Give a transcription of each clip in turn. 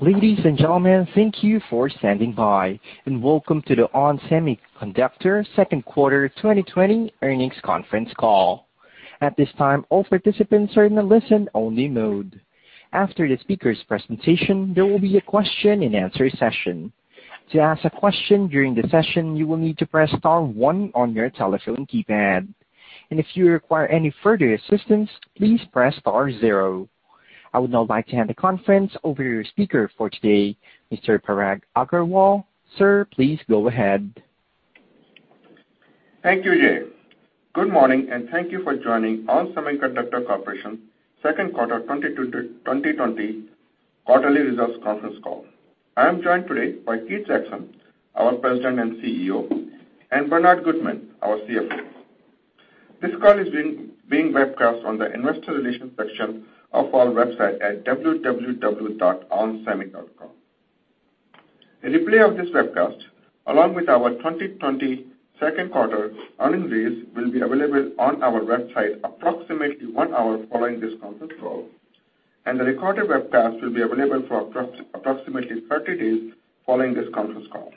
Ladies and gentlemen, thank you for standing by, and welcome to the ON Semiconductor second quarter 2020 earnings conference call. At this time, all participants are in a listen-only mode. After the speaker's presentation, there will be a question and answer session. To ask a question during the session, you will need to press star one on your telephone keypad. And if you require any further assistance, please press star zero. I would now like to hand the conference over to your speaker for today, Mr. Parag Agarwal. Sir, please go ahead. Thank you, Jay. Good morning, and thank you for joining ON Semiconductor Corporation second quarter 2020 quarterly results conference call. I am joined today by Keith Jackson, our President and CEO, and Bernard Gutmann, our CFO. This call is being webcast on the investor relations section of our website at www.onsemi.com. A replay of this webcast, along with our 2020 second quarter earnings release, will be available on our website approximately one hour following this conference call, and the recorded webcast will be available for approximately 30-days following this conference call.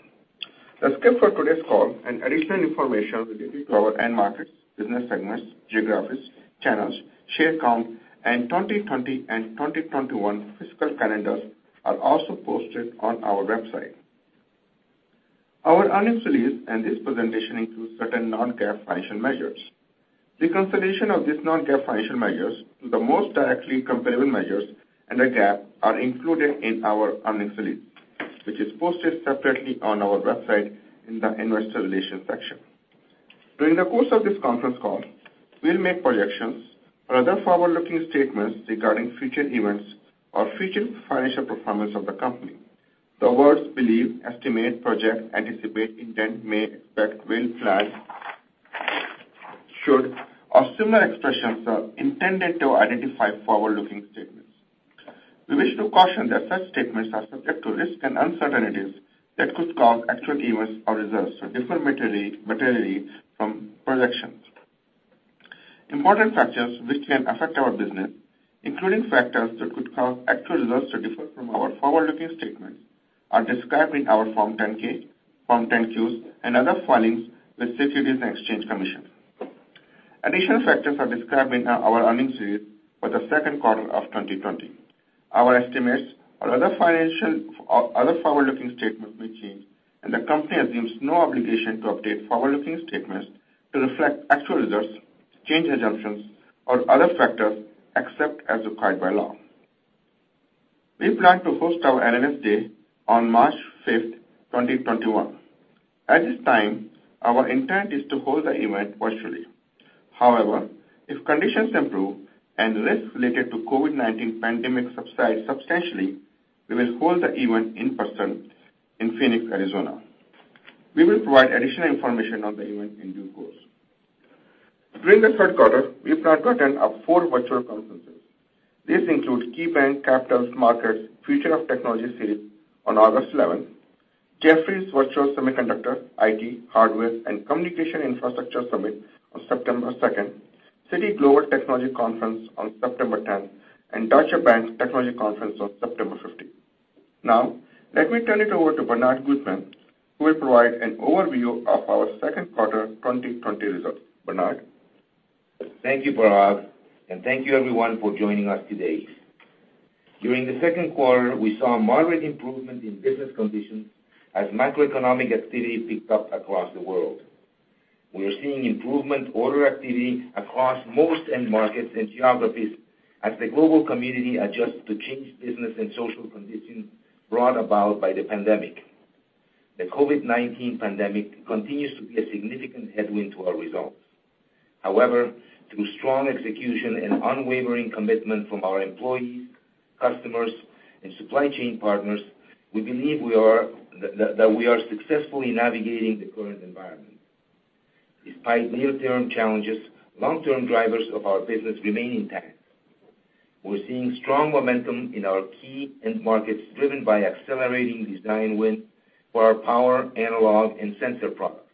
The script for today's call and additional information relating to our end markets, business segments, geographies, channels, share count, and 2020 and 2021 fiscal calendars are also posted on our website. Our earnings release and this presentation includes certain non-GAAP financial measures. Reconciliation of these non-GAAP financial measures to the most directly comparable measures and GAAP are included in our earnings release, which is posted separately on our website in the investor relations section. During the course of this conference call, we'll make projections or other forward-looking statements regarding future events or future financial performance of the company. The words believe, estimate, project, anticipate, intent, may, expect, will, plan, should, or similar expressions are intended to identify forward-looking statements. We wish to caution that such statements are subject to risks and uncertainties that could cause actual events or results to differ materially from projections. Important factors which can affect our business, including factors that could cause actual results to differ from our forward-looking statement are described in our Form 10-K, Form 10-Qs, and other filings with Securities and Exchange Commission. Additional factors are described in our earnings release for the second quarter of 2020. Our estimates or other forward-looking statements may change, and the company assumes no obligation to update forward-looking statements to reflect actual results, changed assumptions, or other factors, except as required by law. We plan to host our Analyst Day on March 5, 2021. At this time, our intent is to hold the event virtually. If conditions improve and risks related to COVID-19 pandemic subside substantially, we will hold the event in person in Phoenix, Arizona. We will provide additional information on the event in due course. During the third quarter, we've participated in up four virtual conferences. These include KeyBanc Capital Markets Future of Technology Series on August 11th, Jefferies Virtual Semiconductor, IT, Hardware, and Communication Infrastructure Summit on September 2nd, Citi Global Technology Conference on September 10th, and Deutsche Bank Technology Conference on September 15th. Let me turn it over to Bernard Gutmann, who will provide an overview of our second quarter 2020 results. Bernard? Thank you, Parag, thank you everyone for joining us today. During the second quarter, we saw a moderate improvement in business conditions as macroeconomic activity picked up across the world. We are seeing improvement order activity across most end markets and geographies as the global community adjusts to changed business and social conditions brought about by the pandemic. The COVID-19 pandemic continues to be a significant headwind to our results. Through strong execution and unwavering commitment from our employees, customers, and supply chain partners, we believe that we are successfully navigating the current environment. Despite near-term challenges, long-term drivers of our business remain intact. We're seeing strong momentum in our key end markets, driven by accelerating design wins for our power, analog, and sensor products.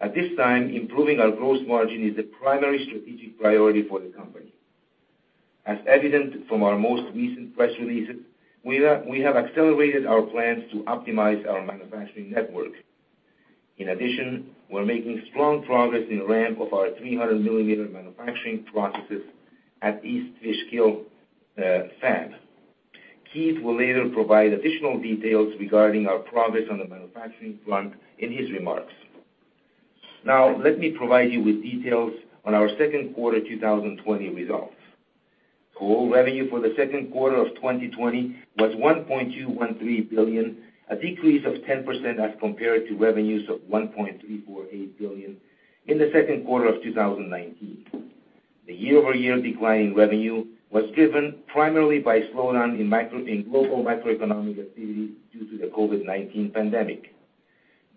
At this time, improving our gross margin is the primary strategic priority for the company. As evident from our most recent press releases, we have accelerated our plans to optimize our manufacturing network. In addition, we're making strong progress in ramp of our 300-millimeter manufacturing processes at East Fishkill fab. Keith will later provide additional details regarding our progress on the manufacturing front in his remarks. Let me provide you with details on our second quarter 2020 results. Total revenue for the second quarter of 2020 was $1.213 billion, a decrease of 10% as compared to revenues of $1.348 billion in the second quarter of 2019. The year-over-year decline in revenue was driven primarily by a slowdown in global macroeconomic activity due to the COVID-19 pandemic.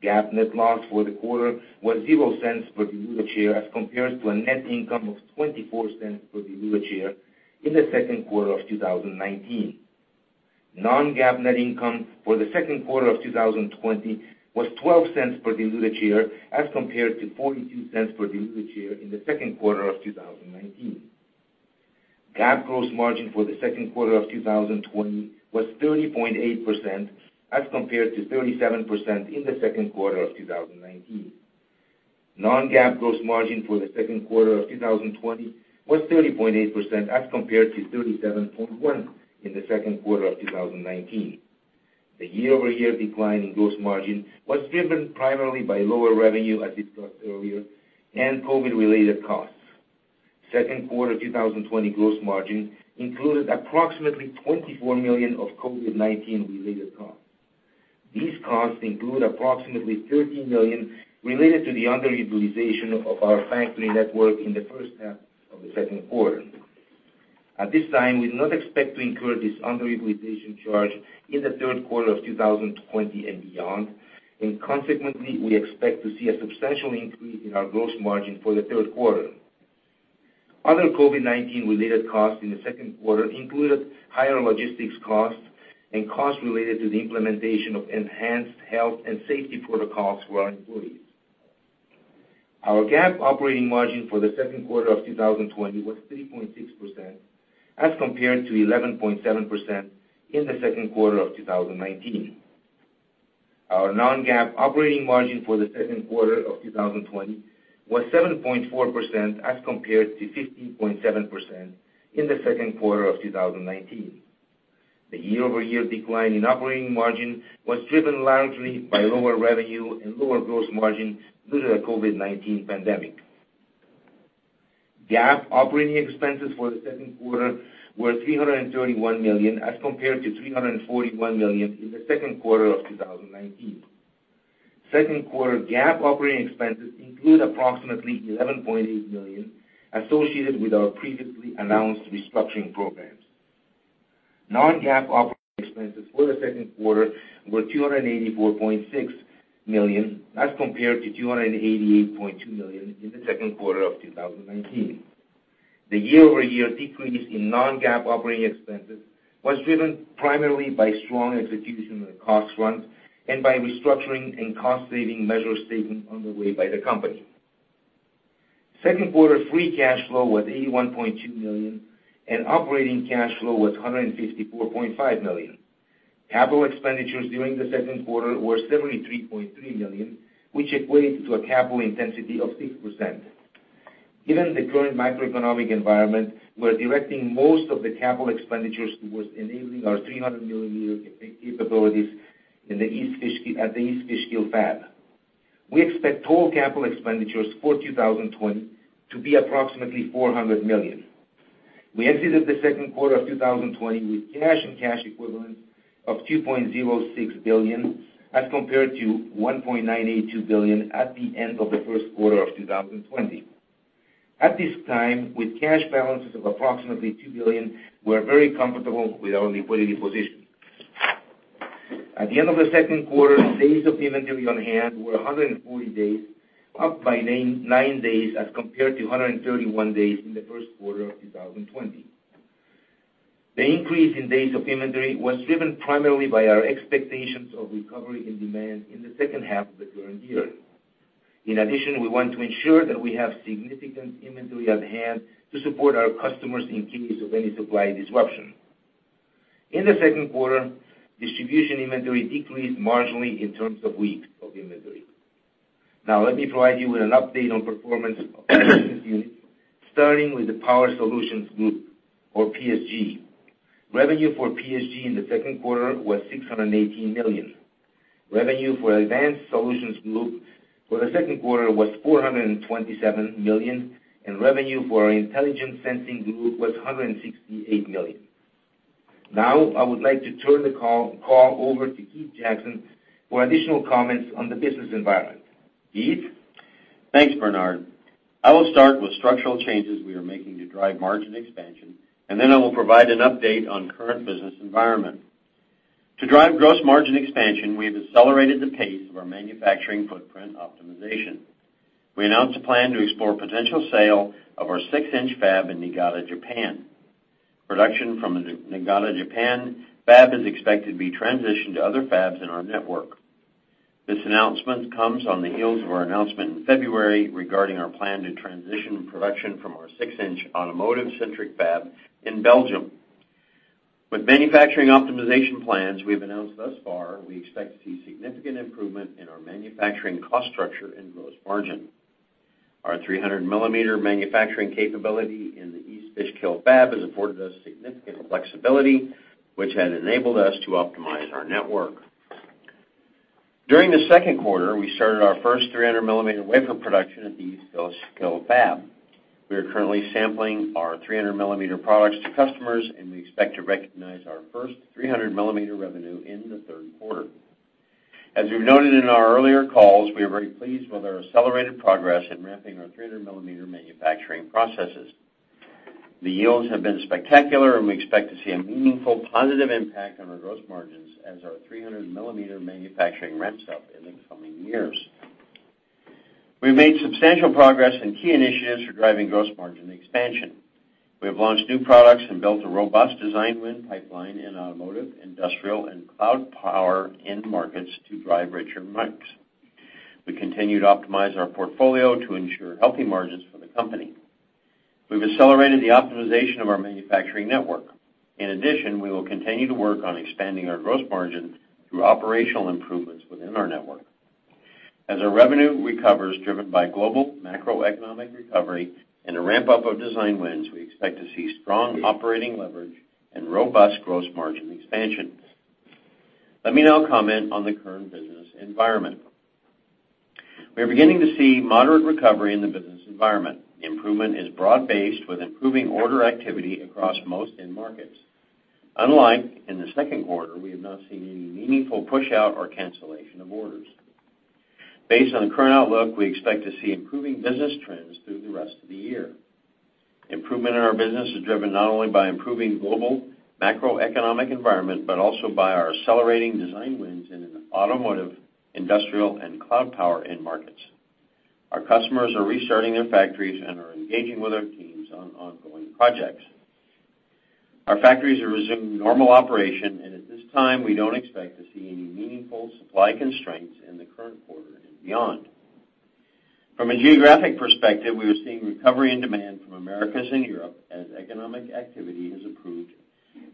GAAP net loss for the quarter was $0.00 per diluted share as compared to a net income of $0.24 per diluted share in the second quarter of 2019. Non-GAAP net income for the second quarter of 2020 was $0.12 per diluted share, as compared to $0.42 per diluted share in the second quarter of 2019. GAAP gross margin for the second quarter of 2020 was 30.8%, as compared to 37% in the second quarter of 2019. Non-GAAP gross margin for the second quarter of 2020 was 30.8%, as compared to 37.1% in the second quarter of 2019. The year-over-year decline in gross margin was driven primarily by lower revenue, as discussed earlier, and COVID-19 related costs. Second quarter 2020 gross margin included approximately $24 million of COVID-19 related costs. These costs include approximately $13 million related to the underutilization of our factory network in the first half of the second quarter. At this time, we do not expect to incur this underutilization charge in the third quarter of 2020 and beyond, consequently, we expect to see a substantial increase in our gross margin for the third quarter. Other COVID-19 related costs in the second quarter included higher logistics costs and costs related to the implementation of enhanced health and safety protocols for our employees. Our GAAP operating margin for the second quarter of 2020 was 3.6%, as compared to 11.7% in the second quarter of 2019. Our non-GAAP operating margin for the second quarter of 2020 was 7.4%, as compared to 15.7% in the second quarter of 2019. The year-over-year decline in operating margin was driven largely by lower revenue and lower gross margin due to the COVID-19 pandemic. GAAP operating expenses for the second quarter were $331 million, as compared to $341 million in the second quarter of 2019. Second quarter GAAP operating expenses include approximately $11.8 million associated with our previously announced restructuring programs. Non-GAAP operating expenses for the second quarter were $284.6 million, as compared to $288.2 million in the second quarter of 2019. The year-over-year decrease in non-GAAP operating expenses was driven primarily by strong execution of the cost runs and by restructuring and cost saving measures taken on the way by the company. Second quarter free cash flow was $81.2 million, and operating cash flow was $154.5 million. Capital expenditures during the second quarter were $73.3 million, which equates to a capital intensity of 6%. Given the current macroeconomic environment, we're directing most of the capital expenditures towards enabling our 300-millimeter capabilities at the East Fishkill Fab. We expect total capital expenditures for 2020 to be approximately $400 million. We exited the second quarter of 2020 with cash and cash equivalents of $2.06 billion as compared to $1.982 billion at the end of the first quarter of 2020. At this time, with cash balances of approximately $2 billion, we're very comfortable with our liquidity position. At the end of the second quarter, days of inventory on hand were 140-days, up by nine days as compared to 131-days in the first quarter of 2020. The increase in days of inventory was driven primarily by our expectations of recovery and demand in the second half of the current year. In addition, we want to ensure that we have significant inventory on hand to support our customers in case of any supply disruption. In the second quarter, distribution inventory decreased marginally in terms of weeks of inventory. Now, let me provide you with an update on performance of business units, starting with the Power Solutions Group or PSG. Revenue for PSG in the second quarter was $618 million. Revenue for Advanced Solutions Group for the second quarter was $427 million, and revenue for our Intelligent Sensing Group was $168 million. Now, I would like to turn the call over to Keith Jackson for additional comments on the business environment. Keith? Thanks, Bernard. I will start with structural changes we are making to drive margin expansion, then I will provide an update on current business environment. To drive gross margin expansion, we have accelerated the pace of our manufacturing footprint optimization. We announced a plan to explore potential sale of our 6-inch fab in Niigata, Japan. Production from the Niigata, Japan fab is expected to be transitioned to other fabs in our network. This announcement comes on the heels of our announcement in February regarding our plan to transition production from our 6-inch automotive centric fab in Belgium. With manufacturing optimization plans we have announced thus far, we expect to see significant improvement in our manufacturing cost structure and gross margin. Our 300-millimeter manufacturing capability in the East Fishkill Fab has afforded us significant flexibility, which has enabled us to optimize our network. During the second quarter, we started our first 300-millimeter wafer production at the East Fishkill Fab. We are currently sampling our 300-millimeter products to customers, and we expect to recognize our first 300-millimeter revenue in the third quarter. As we've noted in our earlier calls, we are very pleased with our accelerated progress in ramping our 300-millimeter manufacturing processes. The yields have been spectacular, and we expect to see a meaningful positive impact on our gross margins as our 300-millimeter manufacturing ramps up in the coming years. We've made substantial progress in key initiatives for driving gross margin expansion. We have launched new products and built a robust design win pipeline in automotive, industrial, and cloud power end markets to drive richer mix. We continue to optimize our portfolio to ensure healthy margins for the company. We've accelerated the optimization of our manufacturing network. In addition, we will continue to work on expanding our gross margin through operational improvements within our network. As our revenue recovers, driven by global macroeconomic recovery and a ramp-up of design wins, we expect to see strong operating leverage and robust gross margin expansion. Let me now comment on the current business environment. We are beginning to see moderate recovery in the business environment. Improvement is broad-based, with improving order activity across most end markets. Unlike in the second quarter, we have not seen any meaningful push-out or cancellation of orders. Based on the current outlook, we expect to see improving business trends through the rest of the year. Improvement in our business is driven not only by improving global macroeconomic environment, but also by our accelerating design wins in automotive, industrial, and cloud power end markets. Our customers are restarting their factories and are engaging with our teams on ongoing projects. Our factories are resuming normal operation. At this time, we don't expect to see any meaningful supply constraints in the current quarter and beyond. From a geographic perspective, we are seeing recovery and demand from Americas and Europe as economic activity has improved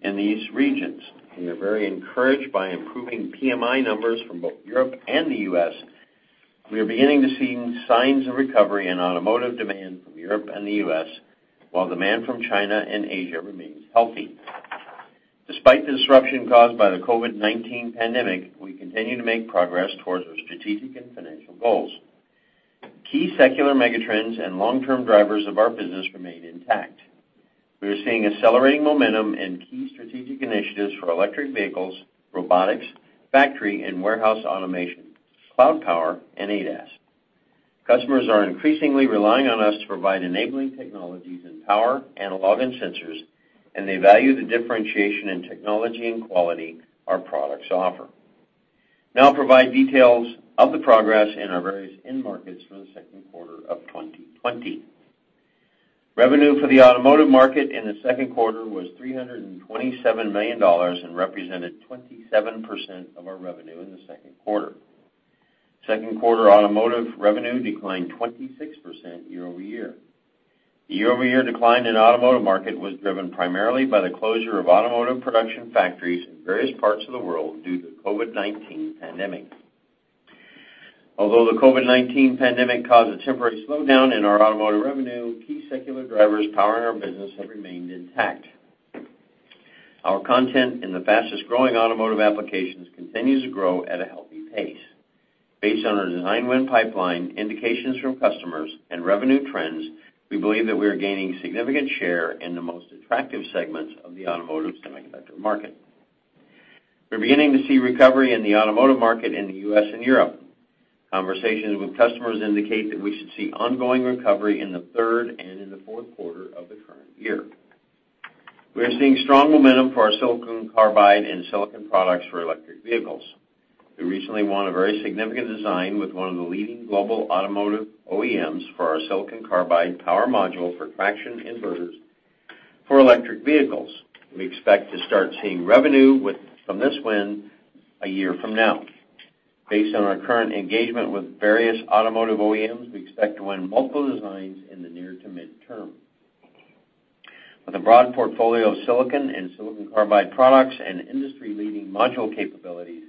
in these regions. We are very encouraged by improving PMI numbers from both Europe and the U.S. We are beginning to see signs of recovery in automotive demand from Europe and the U.S., while demand from China and Asia remains healthy. Despite the disruption caused by the COVID-19 pandemic, we continue to make progress towards our strategic and financial goals. Key secular megatrends and long-term drivers of our business remain intact. We are seeing accelerating momentum in key strategic initiatives for electric vehicles, robotics, factory and warehouse automation, cloud power, and ADAS. Customers are increasingly relying on us to provide enabling technologies in power, analog, and sensors, and they value the differentiation in technology and quality our products offer. Now I'll provide details of the progress in our various end markets for the second quarter of 2020. Revenue for the automotive market in the second quarter was $327 million and represented 27% of our revenue in the second quarter. Second quarter automotive revenue declined 26% year-over-year. The year-over-year decline in automotive market was driven primarily by the closure of automotive production factories in various parts of the world due to the COVID-19 pandemic. Although the COVID-19 pandemic caused a temporary slowdown in our automotive revenue, key secular drivers powering our business have remained intact. Our content in the fastest-growing automotive applications continues to grow at a healthy pace. Based on our design win pipeline, indications from customers, and revenue trends, we believe that we are gaining significant share in the most attractive segments of the automotive semiconductor market. We're beginning to see recovery in the automotive market in the U.S. and Europe. Conversations with customers indicate that we should see ongoing recovery in the third and in the fourth quarter of the current year. We are seeing strong momentum for our silicon carbide and silicon products for electric vehicles. We recently won a very significant design with one of the leading global automotive OEMs for our silicon carbide power module for traction inverters for electric vehicles. We expect to start seeing revenue from this win a year from now. Based on our current engagement with various automotive OEMs, we expect to win multiple designs in the near to mid-term. With a broad portfolio of silicon and silicon carbide products and industry-leading module capabilities,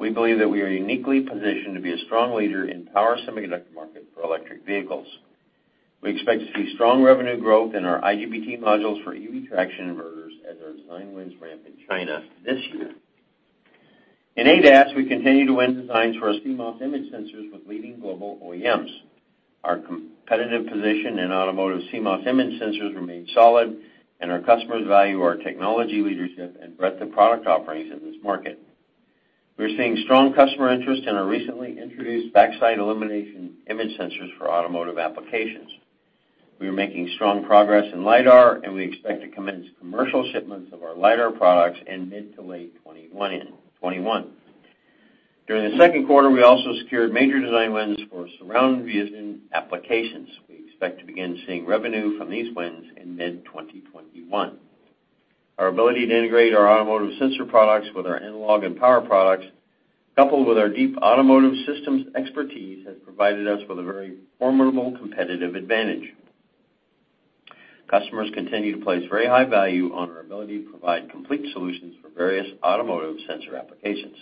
we believe that we are uniquely positioned to be a strong leader in power semiconductor market for electric vehicles. We expect to see strong revenue growth in our IGBT modules for EV traction inverters as our design wins ramp in China this year. In ADAS, we continue to win designs for our CMOS image sensors with leading global OEMs. Our competitive position in automotive CMOS image sensors remains solid, and our customers value our technology leadership and breadth of product offerings in this market. We are seeing strong customer interest in our recently introduced backside illumination image sensors for automotive applications. We are making strong progress in LiDAR, and we expect to commence commercial shipments of our LiDAR products in mid to late 2021. During the second quarter, we also secured major design wins for surround vision applications. We expect to begin seeing revenue from these wins in mid-2021. Our ability to integrate our automotive sensor products with our analog and power products, coupled with our deep automotive systems expertise, has provided us with a very formidable competitive advantage. Customers continue to place very high value on our ability to provide complete solutions for various automotive sensor applications.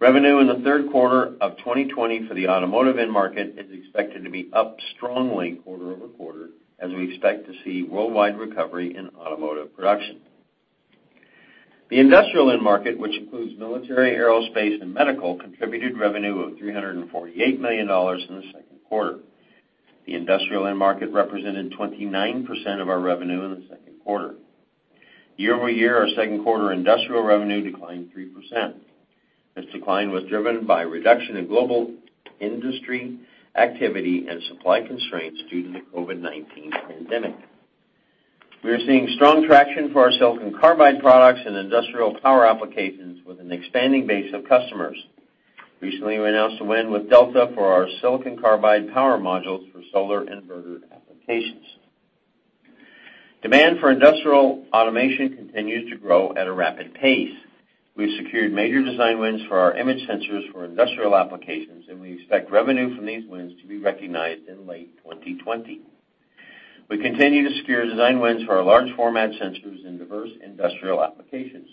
Revenue in the third quarter of 2020 for the automotive end market is expected to be up strongly quarter-over-quarter as we expect to see worldwide recovery in automotive production. The industrial end market, which includes military, aerospace, and medical, contributed revenue of $348 million in the second quarter. The industrial end market represented 29% of our revenue in the second quarter. Year-over-year, our second quarter industrial revenue declined 3%. This decline was driven by a reduction in global industry activity and supply constraints due to the COVID-19 pandemic. We are seeing strong traction for our silicon carbide products in industrial power applications with an expanding base of customers. Recently, we announced a win with Delta for our silicon carbide power modules for solar inverter applications. Demand for industrial automation continues to grow at a rapid pace. We've secured major design wins for our image sensors for industrial applications, and we expect revenue from these wins to be recognized in late 2020. We continue to secure design wins for our large format sensors in diverse industrial applications.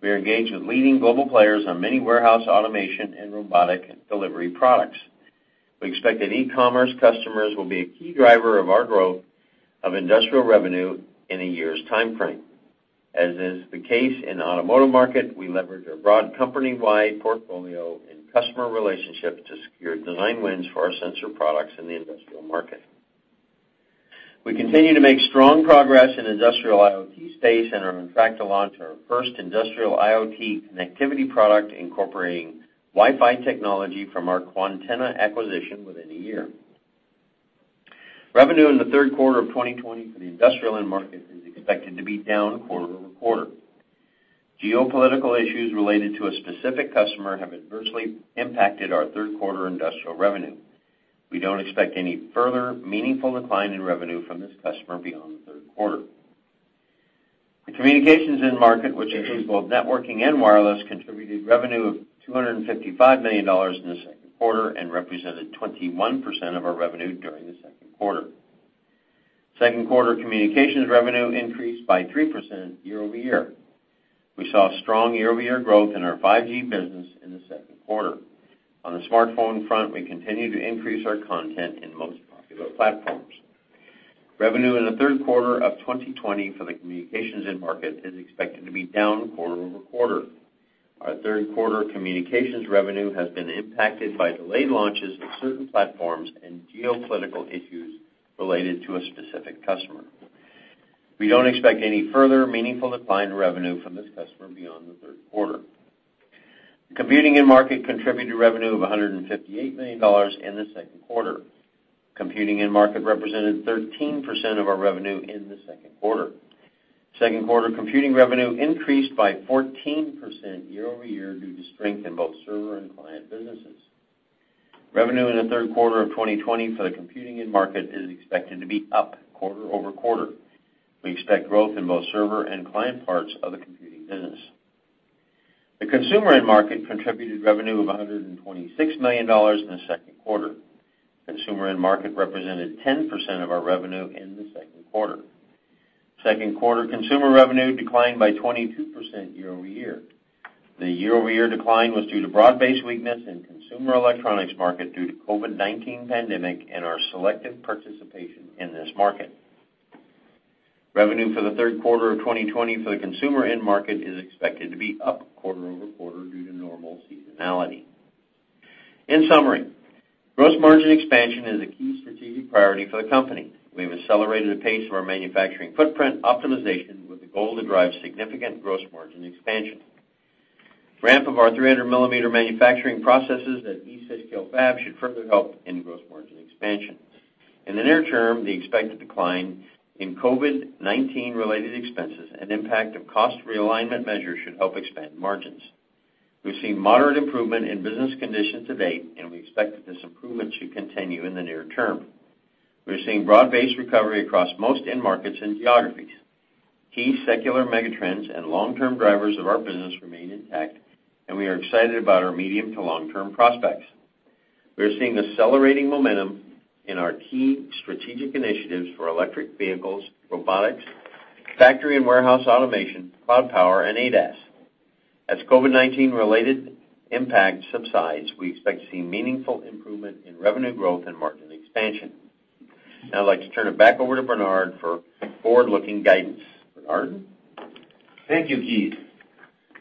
We are engaged with leading global players on many warehouse automation and robotic delivery products. We expect that e-commerce customers will be a key driver of our growth of industrial revenue in a year's timeframe. As is the case in the automotive market, we leverage our broad company-wide portfolio and customer relationships to secure design wins for our sensor products in the industrial market. We continue to make strong progress in industrial IoT space and are on track to launch our first industrial IoT connectivity product incorporating Wi-Fi technology from our Quantenna acquisition within a year. Revenue in the third quarter of 2020 for the industrial end market is expected to be down quarter-over-quarter. Geopolitical issues related to a specific customer have adversely impacted our third quarter industrial revenue. We don't expect any further meaningful decline in revenue from this customer beyond the third quarter. The communications end market, which includes both networking and wireless, contributed revenue of $255 million in the second quarter and represented 21% of our revenue during the second quarter. Second quarter communications revenue increased by 3% year-over-year. We saw strong year-over-year growth in our 5G business in the second quarter. On the smartphone front, we continue to increase our content in most popular platforms. Revenue in the third quarter of 2020 for the communications end market is expected to be down quarter-over-quarter. Our third quarter communications revenue has been impacted by delayed launches of certain platforms and geopolitical issues related to a specific customer. We don't expect any further meaningful decline in revenue from this customer beyond the third quarter. The computing end market contributed revenue of $158 million in the second quarter. Computing end market represented 13% of our revenue in the second quarter. Second quarter computing revenue increased by 14% year-over-year due to strength in both server and client businesses. Revenue in the third quarter of 2020 for the computing end market is expected to be up quarter-over-quarter. We expect growth in both server and client parts of the computing business. The consumer end market contributed revenue of $126 million in the second quarter. Consumer end market represented 10% of our revenue in the second quarter. Second quarter consumer revenue declined by 22% year-over-year. The year-over-year decline was due to broad-based weakness in consumer electronics market due to COVID-19 pandemic and our selective participation in this market. Revenue for the third quarter of 2020 for the consumer end market is expected to be up quarter-over-quarter due to normal seasonality. In summary, gross margin expansion is a key strategic priority for the company. We've accelerated the pace of our manufacturing footprint optimization with the goal to drive significant gross margin expansion. Ramp of our 300-millimeter manufacturing processes at East Fishkill Fab should further help in gross margin expansion. In the near term, the expected decline in COVID-19 related expenses and impact of cost realignment measures should help expand margins. We've seen moderate improvement in business conditions to date, and we expect that this improvement should continue in the near term. We are seeing broad-based recovery across most end markets and geographies. Key secular megatrends and long-term drivers of our business remain intact, and we are excited about our medium to long-term prospects. We are seeing accelerating momentum in our key strategic initiatives for electric vehicles, robotics, factory and warehouse automation, cloud power, and ADAS. As COVID-19 related impact subsides, we expect to see meaningful improvement in revenue growth and margin expansion. Now I'd like to turn it back over to Bernard for forward-looking guidance. Bernard? Thank you, Keith.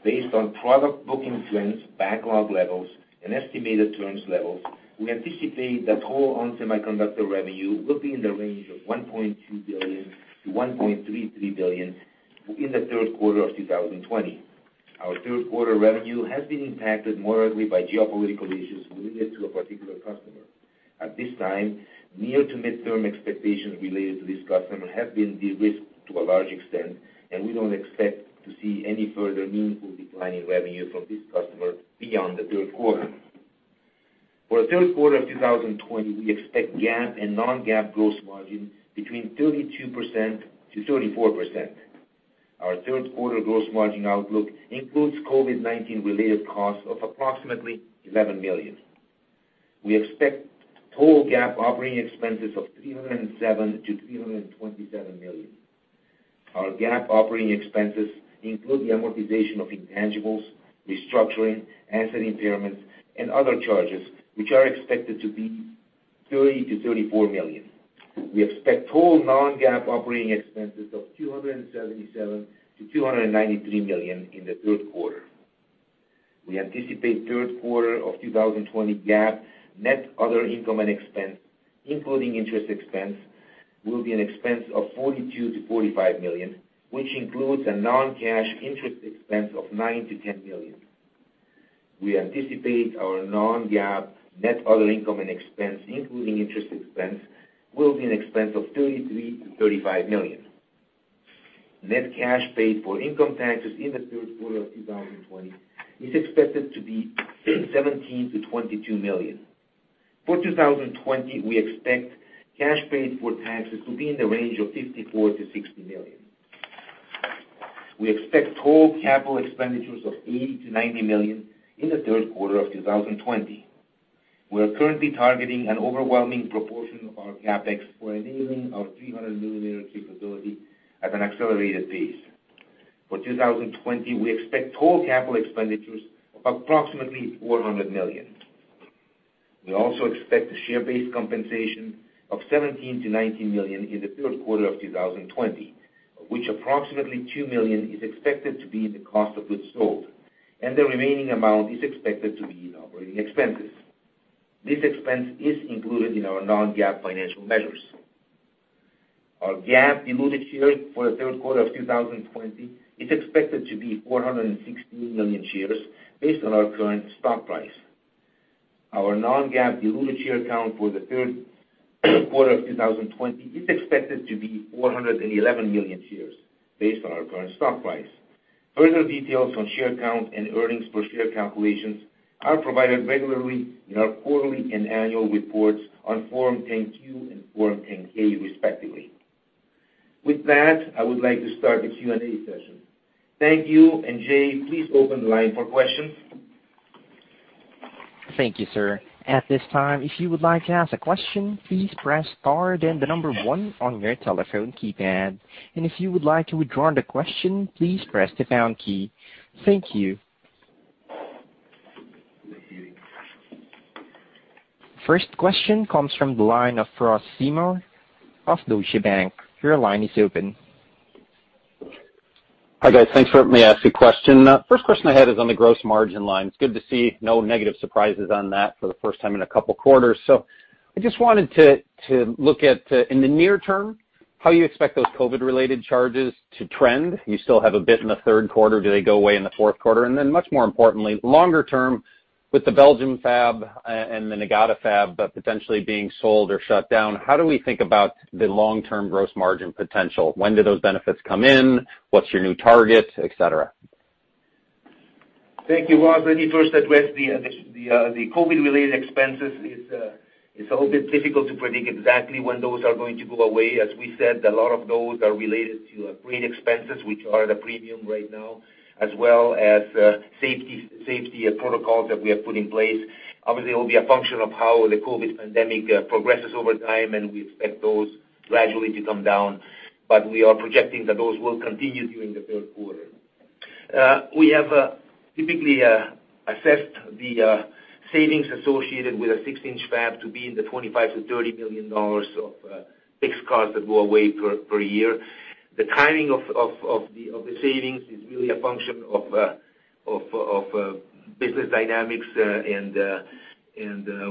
Based on product booking trends, backlog levels, and estimated turns levels, we anticipate that total ON Semiconductor revenue will be in the range of $1.2 billion-$1.33 billion in the third quarter of 2020. Our third quarter revenue has been impacted more heavily by geopolitical issues related to a particular customer. At this time, near to mid-term expectations related to this customer have been de-risked to a large extent, and we don't expect to see any further meaningful decline in revenue from this customer beyond the third quarter. For the third quarter of 2020, we expect GAAP and non-GAAP gross margin between 32%-34%. Our third quarter gross margin outlook includes COVID-19 related costs of approximately $11 million. We expect total GAAP operating expenses of $307 million-$327 million. Our GAAP operating expenses include the amortization of intangibles, restructuring, asset impairments, and other charges, which are expected to be $30 million-$34 million. We expect total non-GAAP operating expenses of $277 million-$293 million in the third quarter. We anticipate third quarter of 2020 GAAP net other income and expense, including interest expense, will be an expense of $42 million-$45 million, which includes a non-cash interest expense of $9 million-$10 million. We anticipate our non-GAAP net other income and expense, including interest expense, will be an expense of $33 million-$35 million. Net cash paid for income taxes in the third quarter of 2020 is expected to be $17 million-$22 million. For 2020, we expect cash paid for taxes to be in the range of $54 million-$60 million. We expect total capital expenditures of $80 million-$90 million in the third quarter of 2020. We are currently targeting an overwhelming proportion of our CapEx for enabling our 300-millimeter capability at an accelerated pace. For 2020, we expect total capital expenditures of approximately $400 million. We also expect a share-based compensation of $17 million-$19 million in the third quarter of 2020. Of which approximately $2 million is expected to be in the cost of goods sold, and the remaining amount is expected to be in operating expenses. This expense is included in our non-GAAP financial measures. Our GAAP diluted shares for the third quarter of 2020 is expected to be 460 million shares based on our current stock price. Our non-GAAP diluted share count for the third quarter of 2020 is expected to be 411 million shares based on our current stock price. Further details on share count and earnings per share calculations are provided regularly in our quarterly and annual reports on Form 10-Q and Form 10-K respectively. With that, I would like to start the Q&A session. Thank you. Jay, please open the line for questions. Thank you, sir. At this time, if you would like to ask a question, please press star, then the number one on your telephone keypad. If you would like to withdraw the question, please press the pound key. Thank you. First question comes from the line of Ross Seymore of Deutsche Bank. Your line is open. Hi, guys. Thanks for letting me ask a question. First question I had is on the gross margin line. It's good to see no negative surprises on that for the first time in a couple of quarters. I just wanted to look at, in the near term, how you expect those COVID-19-related charges to trend. You still have a bit in the third quarter. Do they go away in the fourth quarter? Then much more importantly, longer term with the Belgium fab and the Niigata fab potentially being sold or shut down, how do we think about the long-term gross margin potential? When do those benefits come in? What's your new target, et cetera? Thank you, Ross. Let me first address the COVID-related expenses. It is a little bit difficult to predict exactly when those are going to go away. As we said, a lot of those are related to freight expenses, which are at a premium right now, as well as safety protocols that we have put in place. Obviously, it will be a function of how the COVID pandemic progresses over time, and we expect those gradually to come down. We are projecting that those will continue during the third quarter. We have typically assessed the savings associated with a 6-inch fab to be in the $25 million-$30 million of fixed costs that go away per year. The timing of the savings is really a function of business dynamics, and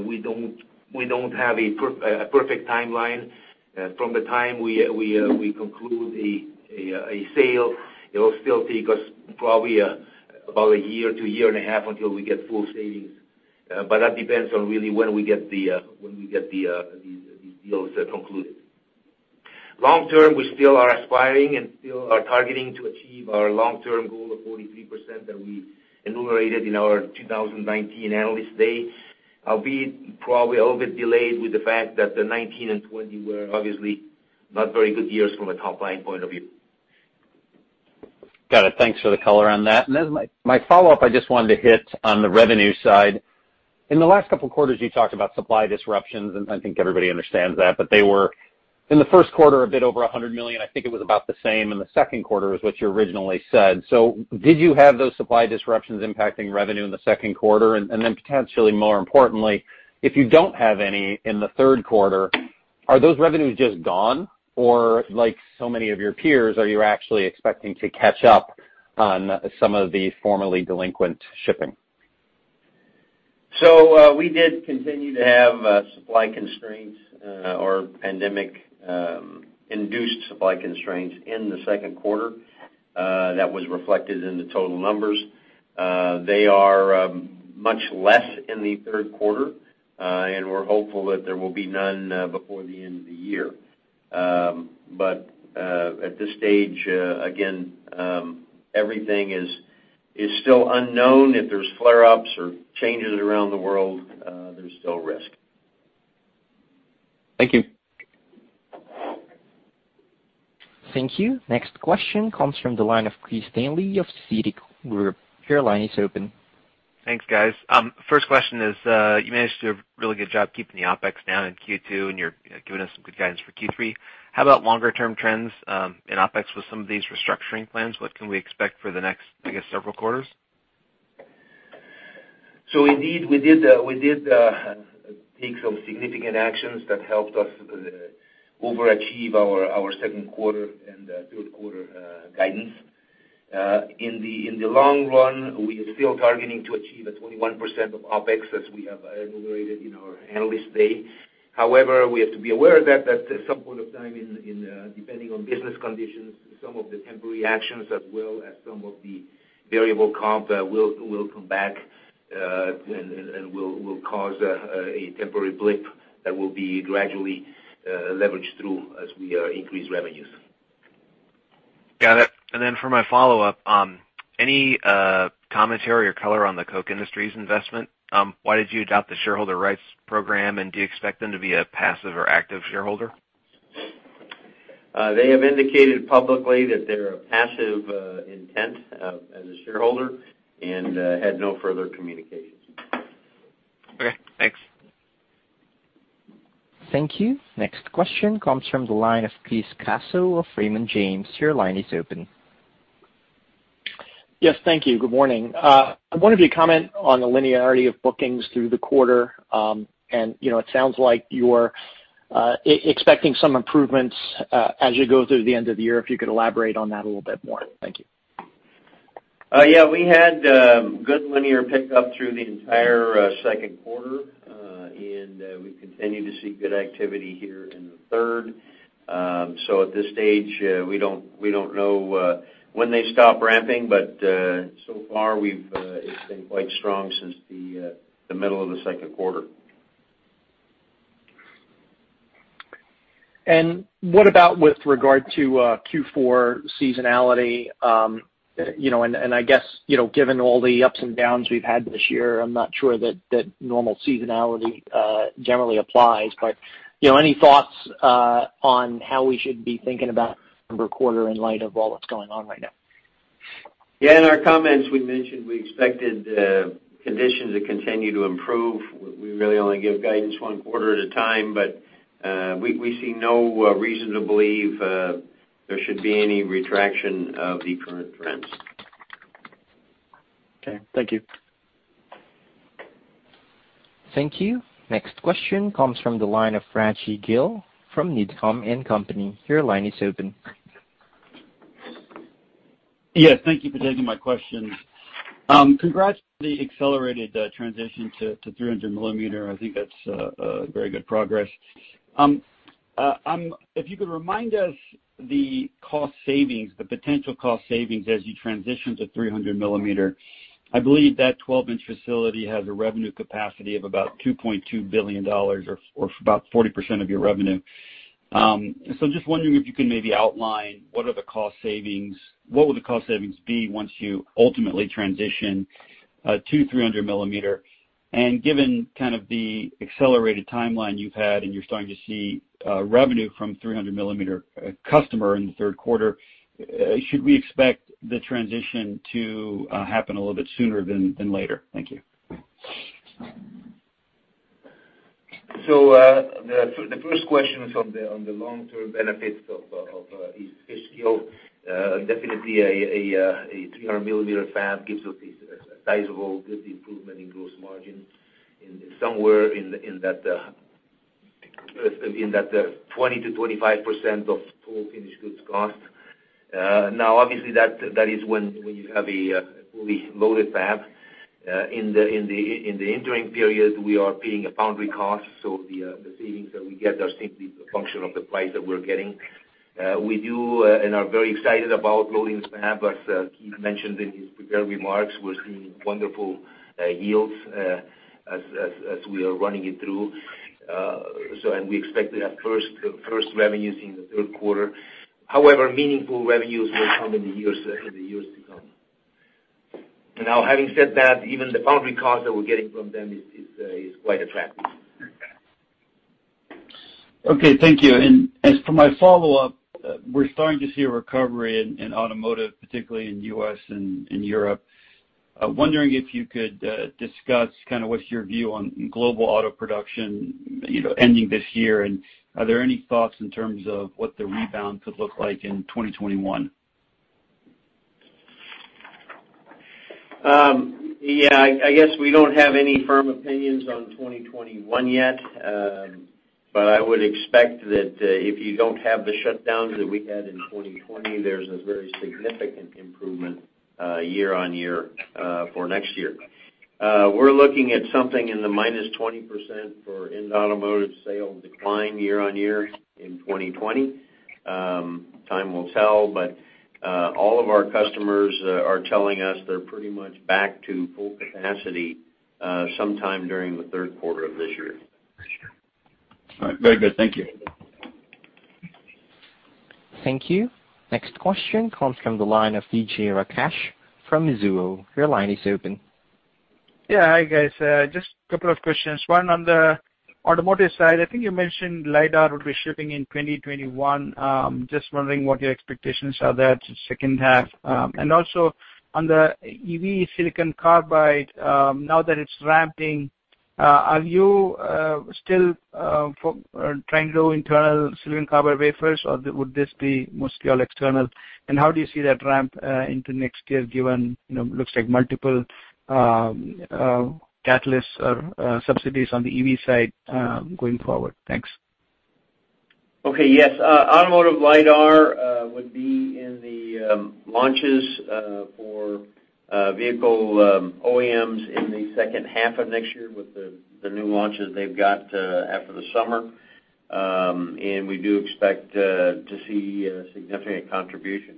we do not have a perfect timeline. From the time we conclude a sale, it will still take us probably about a year-to-year and a half until we get full savings. That depends on really when we get these deals concluded. Long term, we still are aspiring and still are targeting to achieve our long-term goal of 43% that we enumerated in our 2019 Analyst Day, albeit probably a little bit delayed with the fact that the 2019 and 2020 were obviously not very good years from a top-line point of view. Got it. Thanks for the color on that. As my follow-up, I just wanted to hit on the revenue side. In the last couple of quarters, you talked about supply disruptions, and I think everybody understands that, but they were in the first quarter a bit over $100 million. I think it was about the same in the second quarter as what you originally said. Did you have those supply disruptions impacting revenue in the second quarter? Potentially more importantly, if you don't have any in the third quarter, are those revenues just gone? Like so many of your peers, are you actually expecting to catch up on some of the formerly delinquent shipping? We did continue to have supply constraints or pandemic-induced supply constraints in the second quarter. That was reflected in the total numbers. They are much less in the third quarter. We're hopeful that there will be none before the end of the year. At this stage, again, everything is still unknown. If there's flare-ups or changes around the world, there's still risk. Thank you. Thank you. Next question comes from the line of Chris Danely of Citigroup. Your line is open. Thanks, guys. First question is, you managed to do a really good job keeping the OpEx down in Q2, and you're giving us some good guidance for Q3. How about longer-term trends in OpEx with some of these restructuring plans? What can we expect for the next, I guess, several quarters? Indeed, we did take some significant actions that helped us overachieve our second quarter and third quarter guidance. In the long run, we are still targeting to achieve a 21% of OpEx as we have enumerated in our Analyst Day. However, we have to be aware that at some point in time, depending on business conditions, some of the temporary actions as well as some of the variable comp will come back, and will cause a temporary blip that will be gradually leveraged through as we increase revenues. Got it. For my follow-up, any commentary or color on the Koch Industries investment? Why did you adopt the shareholder rights program, and do you expect them to be a passive or active shareholder? They have indicated publicly that they're a passive intent as a shareholder and had no further communications. Okay, thanks. Thank you. Next question comes from the line of Chris Caso of Raymond James. Your line is open. Yes, thank you. Good morning. I'm wondering if you could comment on the linearity of bookings through the quarter. It sounds like you're expecting some improvements as you go through the end of the year, if you could elaborate on that a little bit more. Thank you. We had good linear pickup through the entire second quarter. We continue to see good activity here in the third. At this stage, we don't know when they stop ramping, but so far it's been quite strong since the middle of the second quarter. What about with regard to Q4 seasonality? I guess, given all the ups and downs we've had this year, I'm not sure that normal seasonality generally applies, but any thoughts on how we should be thinking about the quarter in light of all that's going on right now? Yeah, in our comments, we mentioned we expected conditions to continue to improve. We really only give guidance one quarter at a time, but we see no reason to believe there should be any retraction of the current trends. Okay, thank you. Thank you. Next question comes from the line of Rajvindra Gill from Needham & Company. Your line is open. Yes, thank you for taking my question. Congrats on the accelerated transition to 300-millimeter. I think that's very good progress. If you could remind us the potential cost savings as you transition to 300-millimeter. I believe that 12-inch facility has a revenue capacity of about $2.2 billion or about 40% of your revenue. Just wondering if you could maybe outline what would the cost savings be once you ultimately transition to 300-millimeter. Given kind of the accelerated timeline you've had, and you're starting to see revenue from 300-millimeter customer in the third quarter, should we expect the transition to happen a little bit sooner than later? Thank you. The first question on the long-term benefits of East Fishkill, definitely a 300-millimeter fab gives us a sizable good improvement in gross margin in somewhere in that 20%-25% of full finished goods cost. Obviously that is when you have a fully loaded fab. In the interim period, we are paying a foundry cost, so the savings that we get are simply the function of the price that we're getting. We do and are very excited about loading this fab as Keith mentioned in his prepared remarks. We're seeing wonderful yields as we are running it through. We expect to have first revenues in the third quarter. However, meaningful revenues will come in the years to come. Having said that, even the foundry cost that we're getting from them is quite attractive. Okay, thank you. As for my follow-up, we're starting to see a recovery in automotive, particularly in U.S. and in Europe. Wondering if you could discuss kind of what your view on global auto production ending this year, and are there any thoughts in terms of what the rebound could look like in 2021? Yeah, I guess we don't have any firm opinions on 2021 yet. I would expect that if you don't have the shutdowns that we had in 2020, there's a very significant improvement year-on-year for next year. We're looking at something in the -20% for end automotive sales decline year-on-year in 2020. Time will tell, but all of our customers are telling us they're pretty much back to full capacity sometime during the third quarter of this year. All right. Very good. Thank you. Thank you. Next question comes from the line of Vijay Rakesh from Mizuho. Your line is open. Hi, guys. Just a couple of questions. One on the automotive side, I think you mentioned LiDAR will be shipping in 2021. Just wondering what your expectations are there to second half. Also on the EV silicon carbide, now that it's ramping, are you still trying to go internal silicon carbide wafers, or would this be mostly all external? How do you see that ramp into next year given it looks like multiple catalysts or subsidies on the EV side going forward? Thanks. Okay. Yes. Automotive LiDAR would be in the launches for vehicle OEMs in the second half of next year with the new launches they've got after the summer. We do expect to see a significant contribution.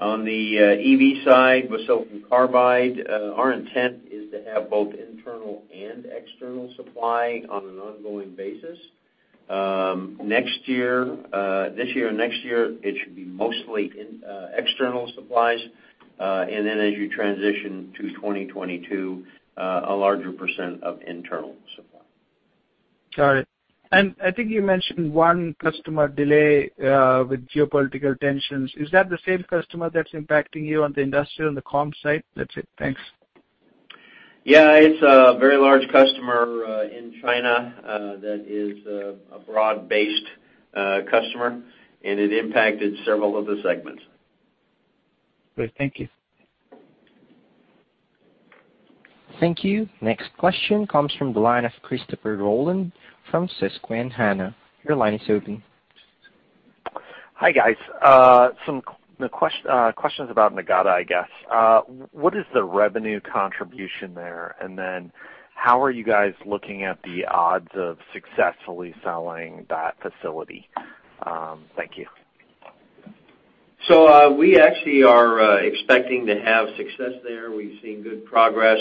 On the EV side with silicon carbide, our intent is to have both internal and external supply on an ongoing basis. This year and next year, it should be mostly external supplies. As you transition to 2022, a larger % of internal supply. Got it. I think you mentioned one customer delay with geopolitical tensions. Is that the same customer that's impacting you on the industrial and the comms side? That's it. Thanks. Yeah. It's a very large customer in China that is a broad-based customer, and it impacted several of the segments. Great. Thank you. Thank you. Next question comes from the line of Christopher Rolland from Susquehanna. Your line is open. Hi, guys. Some questions about Niigata, I guess. What is the revenue contribution there? How are you guys looking at the odds of successfully selling that facility? Thank you. We actually are expecting to have success there. We've seen good progress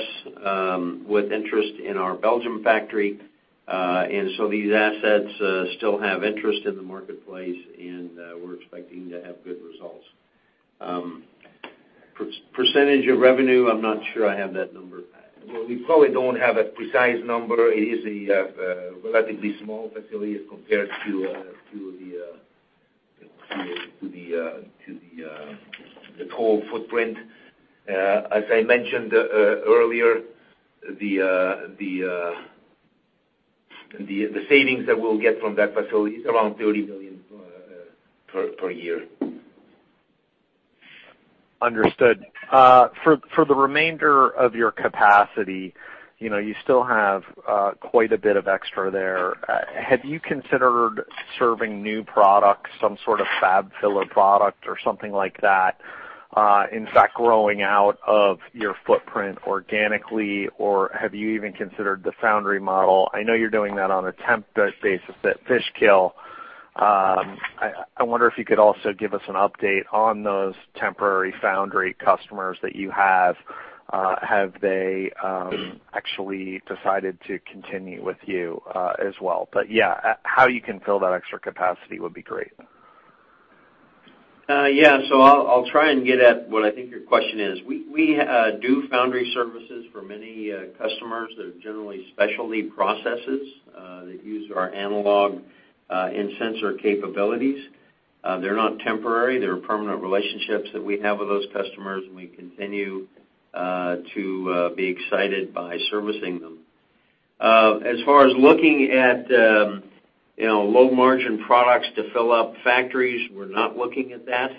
with interest in our Belgium factory. These assets still have interest in the marketplace, and we're expecting to have good results. Percentage of revenue, I'm not sure I have that number. Well, we probably don't have a precise number. It is a relatively small facility compared to the total footprint. As I mentioned earlier, the savings that we'll get from that facility is around $30 million per year. Understood. For the remainder of your capacity, you still have quite a bit of extra there. Have you considered serving new products, some sort of fab filler product or something like that? Growing out of your footprint organically, or have you even considered the foundry model? I know you're doing that on a temp basis at Fishkill. I wonder if you could also give us an update on those temporary foundry customers that you have. Have they actually decided to continue with you as well? Yeah, how you can fill that extra capacity would be great. Yeah. I'll try and get at what I think your question is. We do foundry services for many customers. They're generally specialty processes that use our analog and sensor capabilities. They're not temporary. They're permanent relationships that we have with those customers, and we continue to be excited by servicing them. As far as looking at low margin products to fill up factories, we're not looking at that.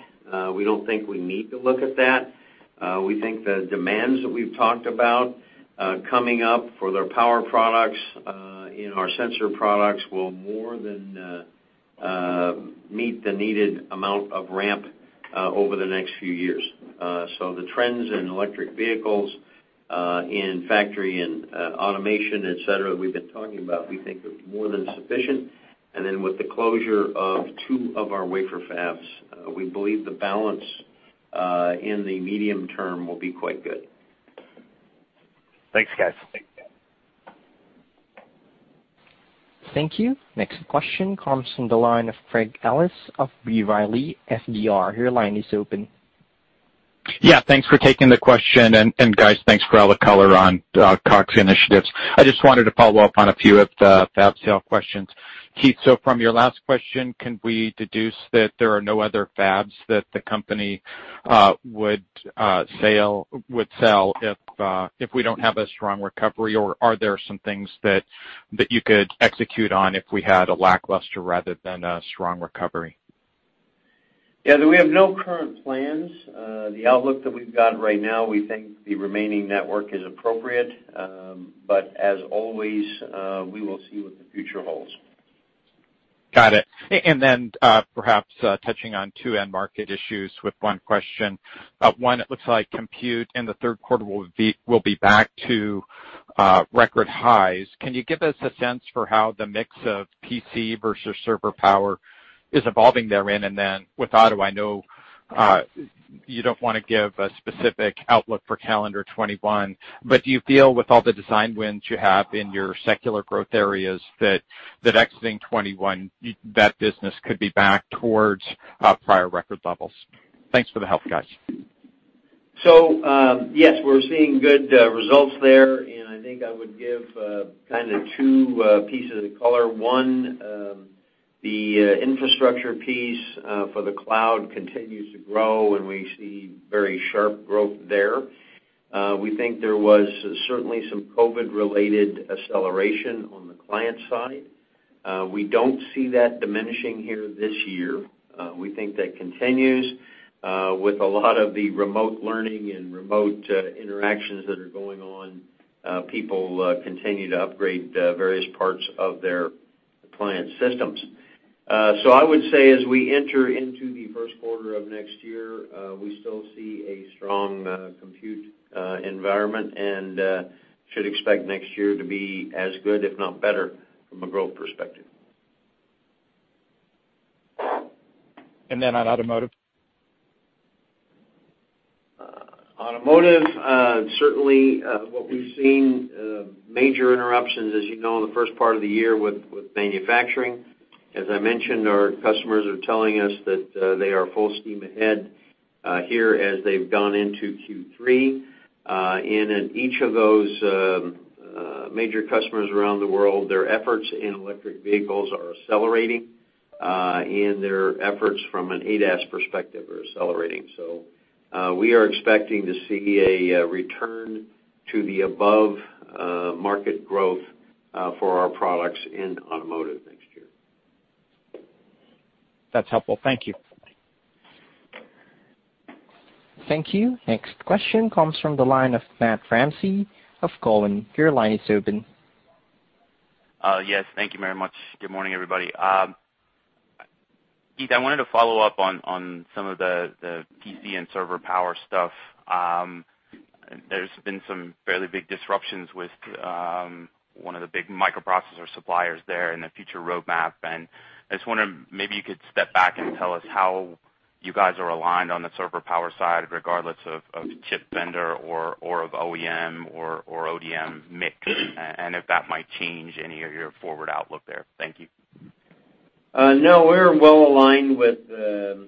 We don't think we need to look at that. We think the demands that we've talked about coming up for their power products and our sensor products will more than meet the needed amount of ramp over the next few years. The trends in electric vehicles, in factory and automation, et cetera, we've been talking about, we think are more than sufficient. With the closure of two of our wafer fabs, we believe the balance in the medium term will be quite good. Thanks, guys. Thank you. Next question comes from the line of Craig Ellis of B. Riley FBR. Your line is open. Yeah. Thanks for taking the question, guys, thanks for all the color on cost initiatives. I just wanted to follow up on a few of the fab sale questions. Keith, from your last question, can we deduce that there are no other fabs that the company would sell if we don't have a strong recovery? Are there some things that you could execute on if we had a lackluster rather than a strong recovery? Yeah. We have no current plans. The outlook that we've got right now, we think the remaining network is appropriate. As always, we will see what the future holds. Got it. Perhaps touching on two end market issues with one question. One, it looks like compute in the third quarter will be back to record highs. Can you give us a sense for how the mix of PC versus server power is evolving therein? With auto, I know you don't want to give a specific outlook for calendar 2021. Do you feel with all the design wins you have in your secular growth areas that exiting 2021, that business could be back towards prior record levels? Thanks for the help, guys. Yes, we're seeing good results there, and I think I would give kind of two pieces of color. One, the infrastructure piece for the cloud continues to grow, and we see very sharp growth there. We think there was certainly some COVID-related acceleration on the client side. We don't see that diminishing here this year. We think that continues with a lot of the remote learning and remote interactions that are going on. People continue to upgrade various parts of their client systems. I would say as we enter into the first quarter of next year, we still see a strong compute environment and should expect next year to be as good, if not better from a growth perspective. on automotive? Automotive, certainly what we've seen, major interruptions, as you know, in the first part of the year with manufacturing. As I mentioned, our customers are telling us that they are full steam ahead here as they've gone into Q3. In each of those major customers around the world, their efforts in electric vehicles are accelerating, and their efforts from an ADAS perspective are accelerating. We are expecting to see a return to the above market growth for our products in automotive next year. That's helpful. Thank you. Thank you. Next question comes from the line of Matthew Ramsay of Cowen. Your line is open. Thank you very much. Good morning, everybody. Keith, I wanted to follow up on some of the PC and server power stuff. There's been some fairly big disruptions with one of the big microprocessor suppliers there and the future roadmap, and I just wonder, maybe you could step back and tell us how you guys are aligned on the server power side regardless of chip vendor or of OEM or ODM mix, and if that might change any of your forward outlook there. Thank you. We're well aligned with the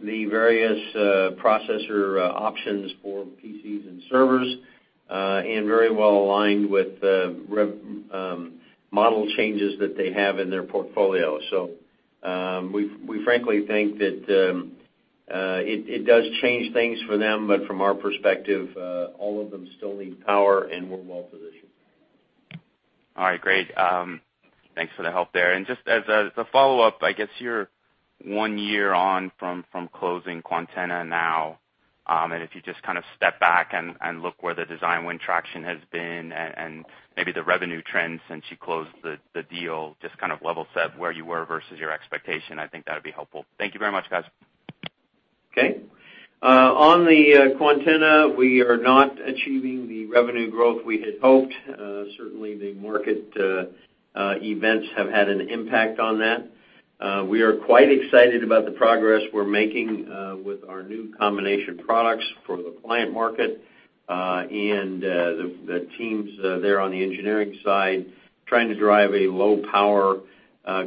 various processor options for PCs and servers, and very well aligned with the rev model changes that they have in their portfolio. We frankly think that it does change things for them, but from our perspective, all of them still need power, and we're well positioned. All right, great. Thanks for the help there. Just as a follow-up, I guess you're one year on from closing Quantenna now. If you just kind of step back and look where the design win traction has been and maybe the revenue trends since you closed the deal, just kind of level set where you were versus your expectation, I think that'd be helpful. Thank you very much, guys. Okay. On the Quantenna, we are not achieving the revenue growth we had hoped. Certainly, the market events have had an impact on that. We are quite excited about the progress we're making with our new combination products for the client market. The teams there on the engineering side trying to drive a low power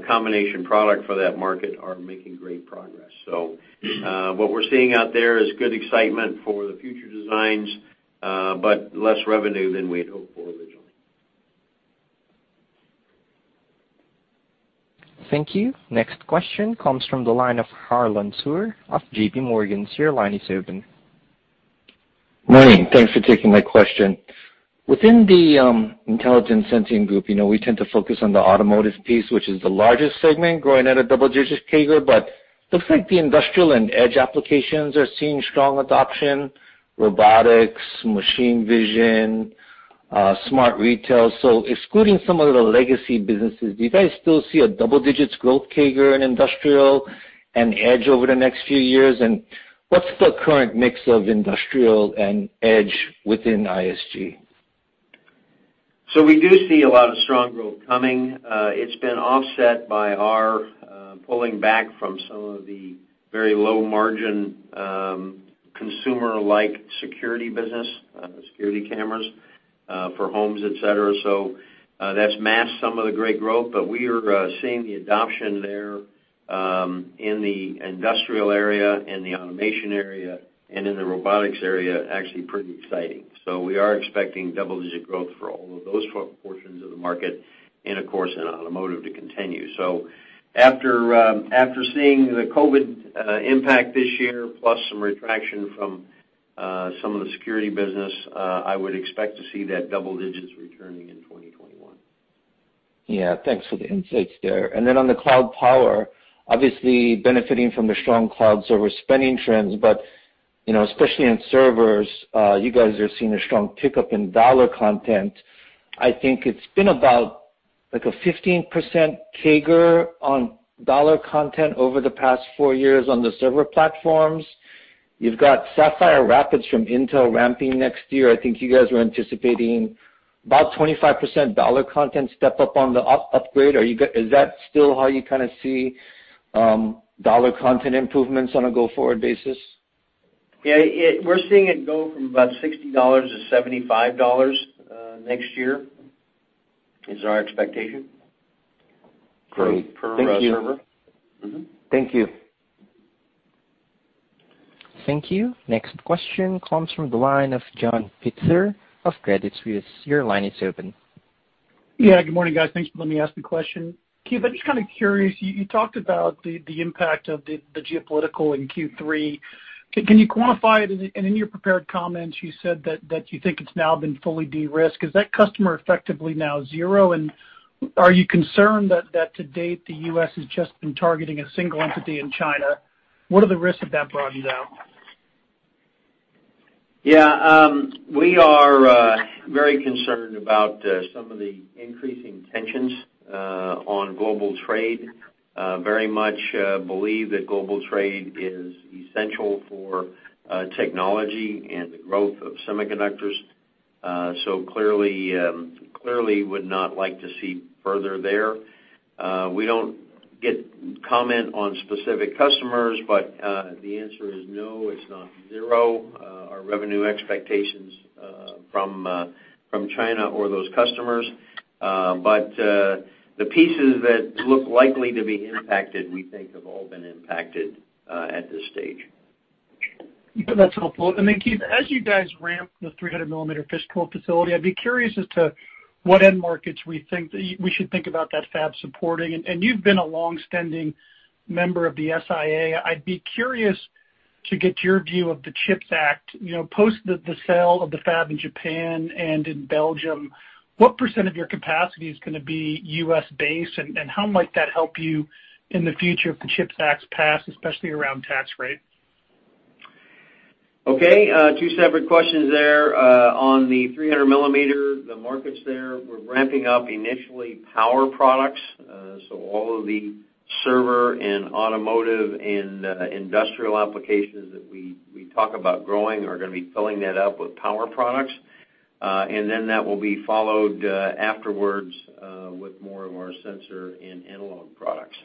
combination product for that market are making great progress. What we're seeing out there is good excitement for the future designs, but less revenue than we'd hoped for originally. Thank you. Next question comes from the line of Harlan Sur of JPMorgan. Your line is open. Morning. Thanks for taking my question. Within the Intelligent Sensing Group, we tend to focus on the automotive piece, which is the largest segment growing at a double-digit CAGR, but looks like the industrial and edge applications are seeing strong adoption, robotics, machine vision, smart retail. Excluding some of the legacy businesses, do you guys still see a double-digits growth CAGR in industrial and edge over the next few years? What's the current mix of industrial and edge within ISG? We do see a lot of strong growth coming. It's been offset by our pulling back from some of the very low-margin, consumer-like security business, security cameras for homes, et cetera. That's masked some of the great growth. We are seeing the adoption there, in the industrial area, in the automation area, and in the robotics area, actually pretty exciting. We are expecting double-digit growth for all of those portions of the market and of course in automotive to continue. After seeing the COVID-19 impact this year, plus some retraction from some of the security business, I would expect to see that double digits returning in 2021. Yeah. Thanks for the insights there. On the cloud power, obviously benefiting from the strong cloud server spending trends, but especially in servers, you guys are seeing a strong pickup in dollar content. I think it's been about like a 15% CAGR on dollar content over the past four years on the server platforms. You've got Sapphire Rapids from Intel ramping next year. I think you guys were anticipating about 25% dollar content step-up on the upgrade. Is that still how you kind of see dollar content improvements on a go-forward basis? Yeah, we're seeing it go from about $60-$75 next year, is our expectation. Great. Thank you. Per server. Mm-hmm. Thank you. Thank you. Next question comes from the line of John Pitzer of Credit Suisse. Your line is open. Yeah, good morning, guys. Thanks for letting me ask the question. Keith, I'm just kind of curious, you talked about the impact of the geopolitical in Q3. Can you quantify it? In your prepared comments, you said that you think it's now been fully de-risked. Is that customer effectively now zero? Are you concerned that to date, the U.S. has just been targeting a single entity in China? What are the risks if that broadens out? Yeah. We are very concerned about some of the increasing tensions on global trade. Very much believe that global trade is essential for technology and the growth of semiconductors. Clearly would not like to see further there. We don't get comment on specific customers, but the answer is no, it's not zero, our revenue expectations from China or those customers. The pieces that look likely to be impacted, we think, have all been impacted at this stage. That's helpful. Keith, as you guys ramp the 300-millimeter Fishkill facility, I'd be curious as to what end markets we should think about that fab supporting. You've been a longstanding member of the SIA. I'd be curious to get your view of the CHIPS Act. Post the sale of the fab in Japan and in Belgium, what percent of your capacity is going to be U.S.-based, and how might that help you in the future if the CHIPS Act's passed, especially around tax rate? Okay. Two separate questions there. On the 300-millimeter, the markets there, we're ramping up initially power products. All of the server and automotive and industrial applications that we talk about growing are going to be filling that up with power products. That will be followed afterwards with more and more sensor and analog products.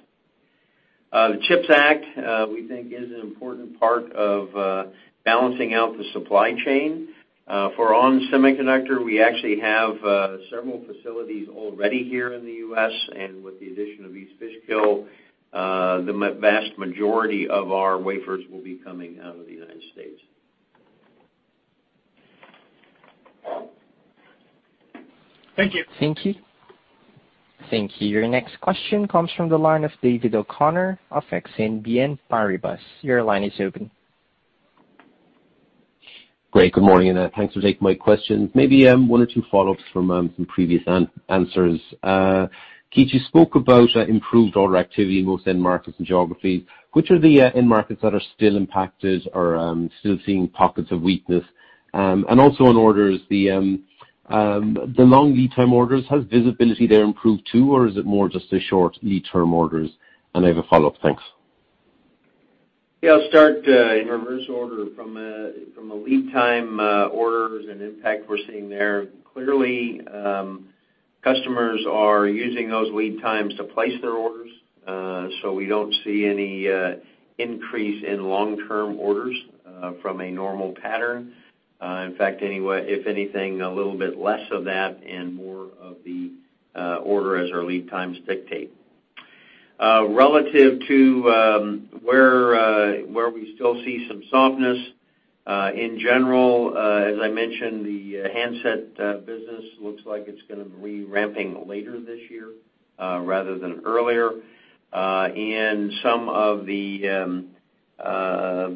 The CHIPS Act, we think, is an important part of balancing out the supply chain. For ON Semiconductor, we actually have several facilities already here in the U.S., and with the addition of East Fishkill, the vast majority of our wafers will be coming out of the United States. Thank you. Thank you. Thank you. Your next question comes from the line of David O'Connor of Exane BNP Paribas. Your line is open. Great. Good morning. Thanks for taking my question. Maybe one or two follow-ups from some previous answers. Keith, you spoke about improved order activity in most end markets and geographies. Which are the end markets that are still impacted or still seeing pockets of weakness? Also on orders, the long lead time orders, has visibility there improved too, or is it more just the short lead time orders? I have a follow-up. Thanks. Yeah, I'll start in reverse order from a lead time orders and impact we're seeing there. Clearly, customers are using those lead times to place their orders. We don't see any increase in long-term orders from a normal pattern. In fact, if anything, a little bit less of that and more of the order as our lead times dictate. Relative to where we still see some softness, in general, as I mentioned, the handset business looks like it's going to be ramping later this year rather than earlier. Some of the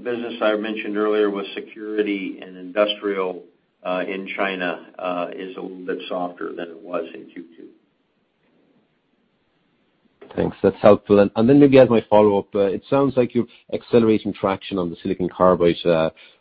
business I mentioned earlier with security and industrial in China is a little bit softer than it was in Q2. Thanks. That's helpful. Maybe as my follow-up, it sounds like you're accelerating traction on the silicon carbide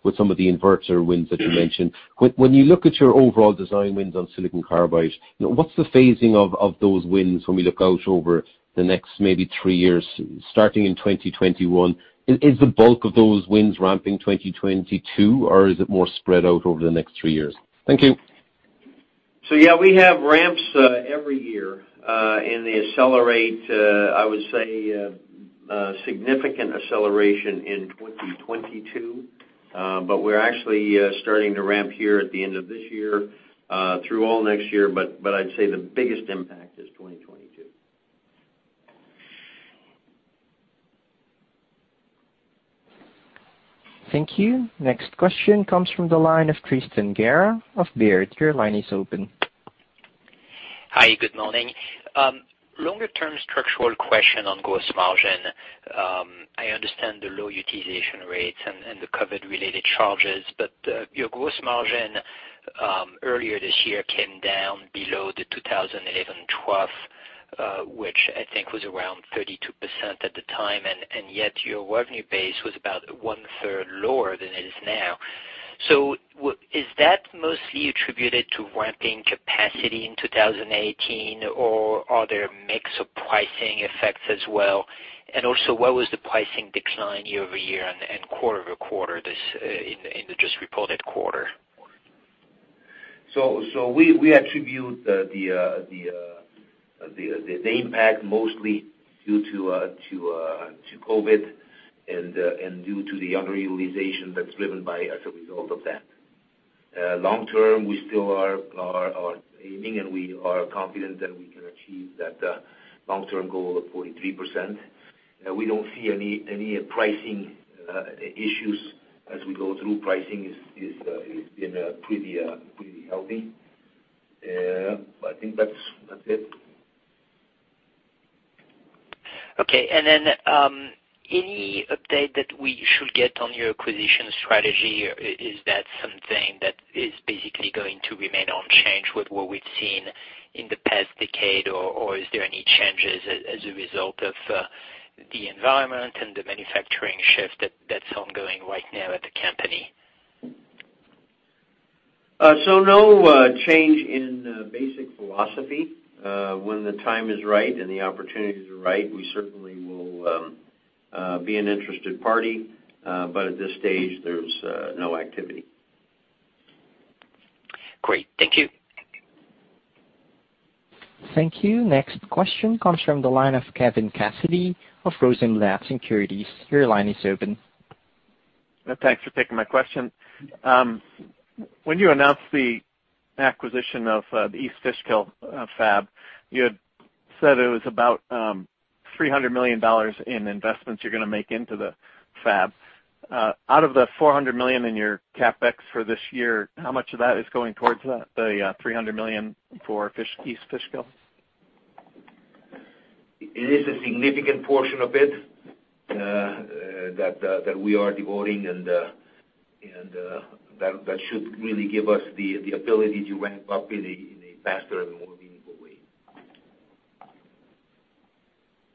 with some of the inverter wins that you mentioned. When you look at your overall design wins on silicon carbide, what's the phasing of those wins when we look out over the next maybe three years starting in 2021? Is the bulk of those wins ramping 2022, or is it more spread out over the next three years? Thank you. Yeah, we have ramps every year, and they accelerate, I would say, a significant acceleration in 2022. We're actually starting to ramp here at the end of this year through all next year, but I'd say the biggest impact is 2022. Thank you. Next question comes from the line of Tristan Gerra of Baird. Your line is open. Hi, good morning. Longer term structural question on gross margin. I understand the low utilization rates and the COVID-related charges, but your gross margin earlier this year came down below the 2011/2012, which I think was around 32% at the time, and yet your revenue base was about one-third lower than it is now. Is that mostly attributed to ramping capacity in 2018, or are there mix of pricing effects as well? What was the pricing decline year-over-year and quarter-over-quarter in the just reported quarter? We attribute the impact mostly due to COVID-19 and due to the underutilization that's driven by as a result of that. Long term, we still are aiming, and we are confident that we can achieve that long-term goal of 43%. We don't see any pricing issues as we go through. Pricing has been pretty healthy. I think that's it. Okay. Any update that we should get on your acquisition strategy? Is that something that is basically going to remain unchanged with what we've seen in the past decade, or is there any changes as a result of the environment and the manufacturing shift that's ongoing right now at the company? No change in basic philosophy. When the time is right and the opportunities are right, we certainly will be an interested party. At this stage, there's no activity. Great. Thank you. Thank you. Next question comes from the line of Kevin Cassidy of Rosenblatt Securities. Your line is open. Thanks for taking my question. When you announced the acquisition of the East Fishkill fab, you had said it was about $300 million in investments you're going to make into the fab. Out of the $400 million in your CapEx for this year, how much of that is going towards the $300 million for East Fishkill? It is a significant portion of it that we are devoting, and that should really give us the ability to ramp up in a faster and more meaningful way.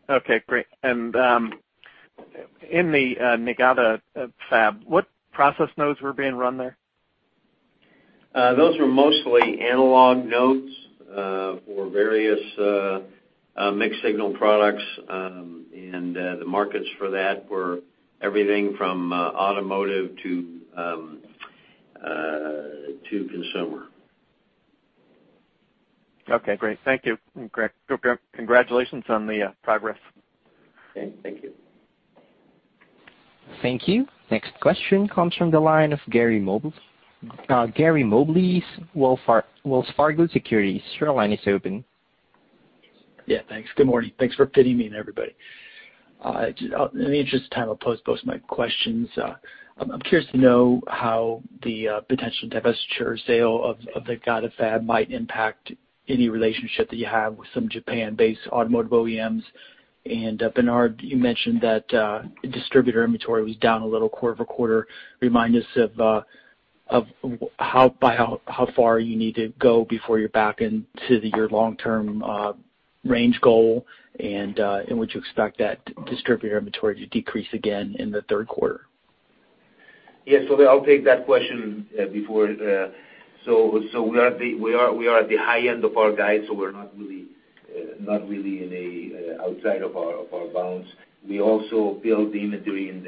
Okay, great. In the Niigata fab, what process nodes were being run there? Those were mostly analog nodes for various mixed signal products, and the markets for that were everything from automotive to consumer. Okay, great. Thank you. Congratulations on the progress. Okay, thank you. Thank you. Next question comes from the line of Gary Mobley, Wells Fargo Securities. Your line is open. Yeah, thanks. Good morning. Thanks for fitting me in, everybody. In the interest of time, I'll pose both my questions. I'm curious to know how the potential divestiture sale of the Niigata fab might impact any relationship that you have with some Japan-based automotive OEMs. Bernard Gutmann, you mentioned that distributor inventory was down a little quarter-over-quarter. Remind us of by how far you need to go before you're back into your long-term range goal. Would you expect that distributor inventory to decrease again in the third quarter? Yes. I'll take that question before. We are at the high end of our guide, so we're not really outside of our bounds. We also build the inventory in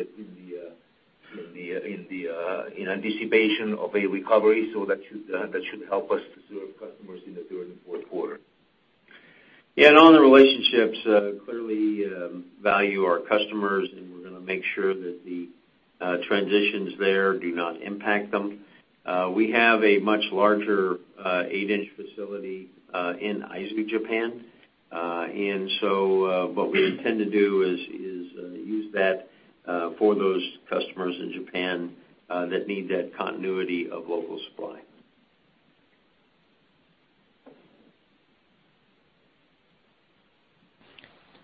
anticipation of a recovery, so that should help us to serve customers during the fourth quarter. On the relationships, we clearly value our customers. We're going to make sure that the transitions there do not impact them. We have a much larger 8-inch facility in Aizu, Japan. What we intend to do is use that for those customers in Japan that need that continuity of local supply.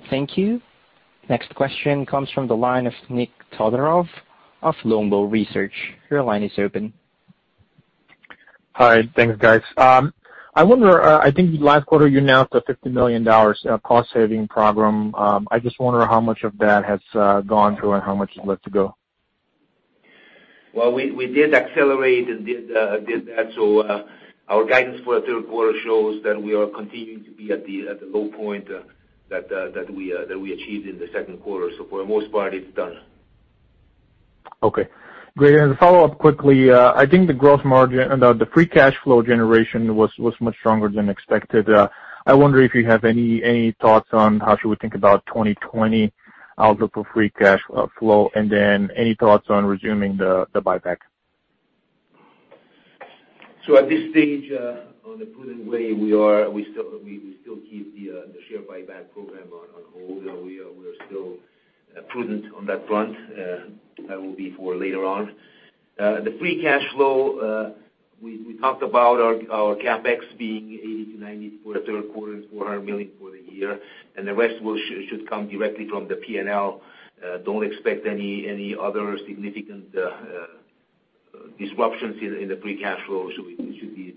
Thank you. Next question comes from the line of Nikolay Todorov of Longbow Research. Your line is open. Hi. Thanks, guys. I think last quarter you announced a $50 million cost-saving program. I just wonder how much of that has gone through and how much is left to go. We did accelerate and did that, so our guidance for the third quarter shows that we are continuing to be at the low point that we achieved in the second quarter. For the most part, it's done. Okay, great. To follow up quickly, I think the free cash flow generation was much stronger than expected. I wonder if you have any thoughts on how should we think about 2020 outlook for free cash flow, any thoughts on resuming the buyback? At this stage, on the prudent way, we still keep the share buyback program on hold, and we are still prudent on that front. That will be for later on. The free cash flow, we talked about our CapEx being $80 million-$90 million for the third quarter and $400 million for the year, and the rest should come directly from the P&L. Don't expect any other significant disruptions in the free cash flow. It should be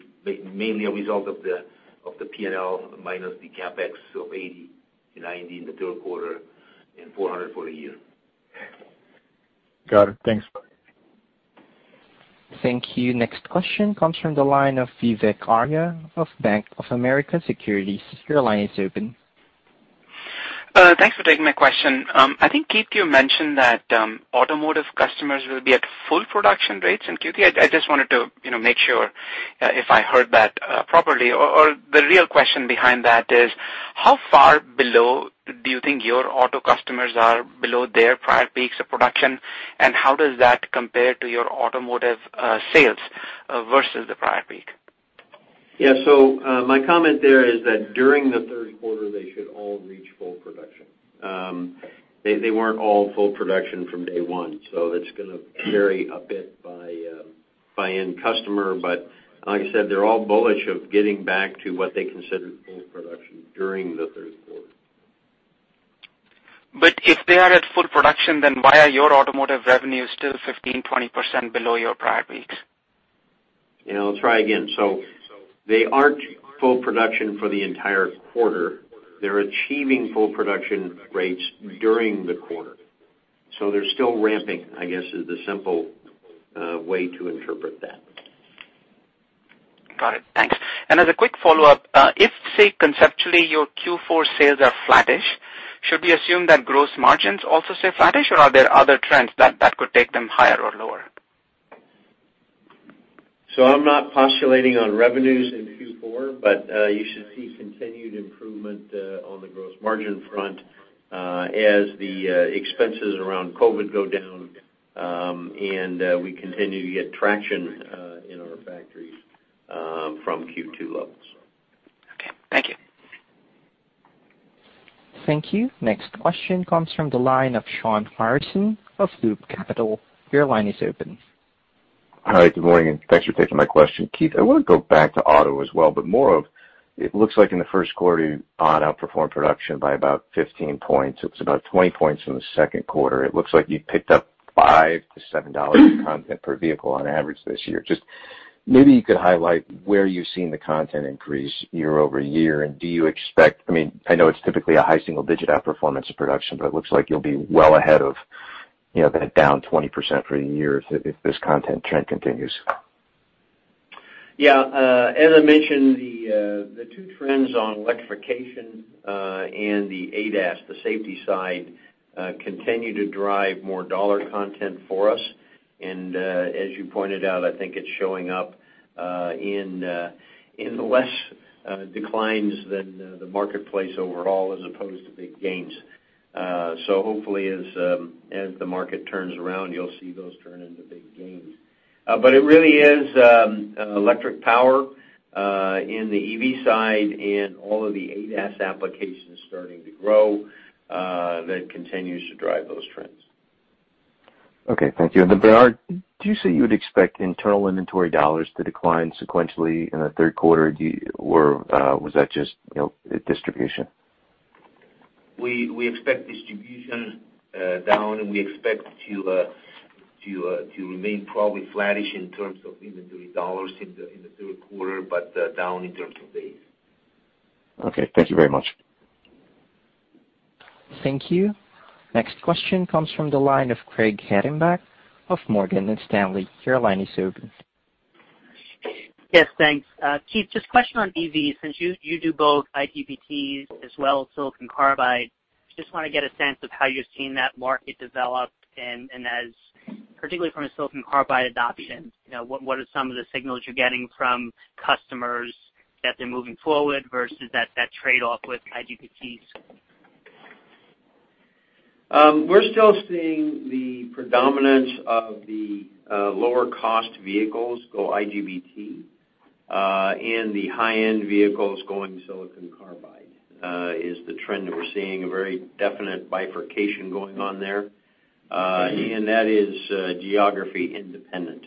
mainly a result of the P&L minus the CapEx of $80 million-$90 million in the third quarter and $400 million for the year. Got it. Thanks. Thank you. Next question comes from the line of Vivek Arya of Bank of America Securities. Your line is open. Thanks for taking my question. I think, Keith, you mentioned that automotive customers will be at full production rates in Q3. I just wanted to make sure if I heard that properly, or the real question behind that is, how far below do you think your auto customers are below their prior peaks of production, and how does that compare to your automotive sales versus the prior peak? Yeah. My comment there is that during the third quarter, they should all reach full production. They weren't all full production from day one, it's going to vary a bit by end customer. Like I said, they're all bullish of getting back to what they consider full production during the third quarter. If they are at full production, then why are your automotive revenues still 15%, 20% below your prior peaks? Yeah, I'll try again. They aren't full production for the entire quarter. They're achieving full production rates during the quarter. They're still ramping, I guess, is the simple way to interpret that. Got it. Thanks. As a quick follow-up, if, say, conceptually, your Q4 sales are flattish, should we assume that gross margins also stay flattish, or are there other trends that could take them higher or lower? I'm not postulating on revenues in Q4, but you should see continued improvement on the gross margin front as the expenses around COVID go down and we continue to get traction in our factories from Q2 levels. Okay. Thank you. Thank you. Next question comes from the line of Shawn Harrison of Loop Capital. Your line is open. Hi, good morning, and thanks for taking my question. Keith, I want to go back to auto as well, but more of, it looks like in the first quarter, auto outperformed production by about 15 points. It's about 20 points in the second quarter. It looks like you picked up $5-$7 content per vehicle on average this year. Just maybe you could highlight where you're seeing the content increase year-over-year, and do you expect I know it's typically a high single-digit outperformance of production, but it looks like you'll be well ahead of that down 20% for the year if this content trend continues. Yeah. As I mentioned, the two trends on electrification and the ADAS, the safety side, continue to drive more dollar content for us. As you pointed out, I think it's showing up in less declines than the marketplace overall as opposed to big gains. Hopefully as the market turns around, you'll see those turn into big gains. It really is electric power in the EV side and all of the ADAS applications starting to grow that continues to drive those trends. Okay, thank you. Bernard, do you say you would expect internal inventory dollars to decline sequentially in the third quarter? Or was that just distribution? We expect distribution down, and we expect to remain probably flattish in terms of inventory dollars in the third quarter, but down in terms of days. Okay, thank you very much. Thank you. Next question comes from the line of Craig Hettenbach of Morgan Stanley. Your line is open. Yes, thanks. Keith, just a question on EVs, since you do both IGBTs as well as silicon carbide. I just want to get a sense of how you're seeing that market develop, and as particularly from a silicon carbide adoption. What are some of the signals you're getting from customers that they're moving forward versus that trade-off with IGBTs? We're still seeing the predominance of the lower cost vehicles go IGBT and the high-end vehicles going silicon carbide is the trend that we're seeing, a very definite bifurcation going on there. That is geography independent.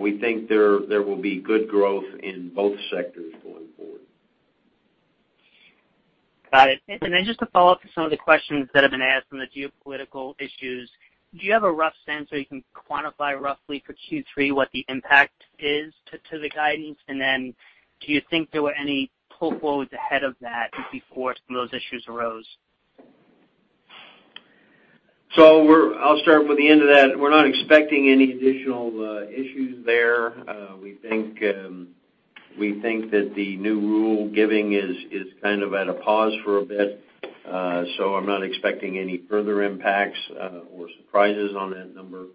We think there will be good growth in both sectors going forward. Got it. Just to follow up to some of the questions that have been asked on the geopolitical issues, do you have a rough sense or you can quantify roughly for Q3 what the impact is to the guidance? Do you think there were any pull-forwards ahead of that before some of those issues arose? I'll start with the end of that. We're not expecting any additional issues there. We think that the new rule giving is kind of at a pause for a bit. I'm not expecting any further impacts or surprises on that number.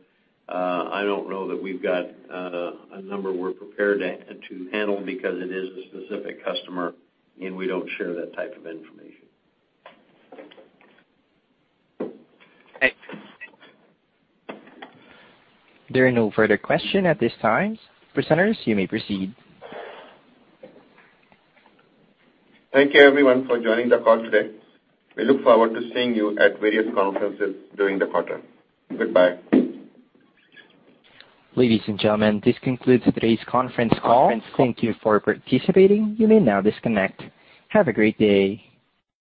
I don't know that we've got a number we're prepared to handle because it is a specific customer, and we don't share that type of information. Thanks. There are no further question at this time. Presenters, you may proceed. Thank you everyone for joining the call today. We look forward to seeing you at various conferences during the quarter. Goodbye. Ladies and gentlemen, this concludes today's conference call. Thank you for participating. You may now disconnect. Have a great day.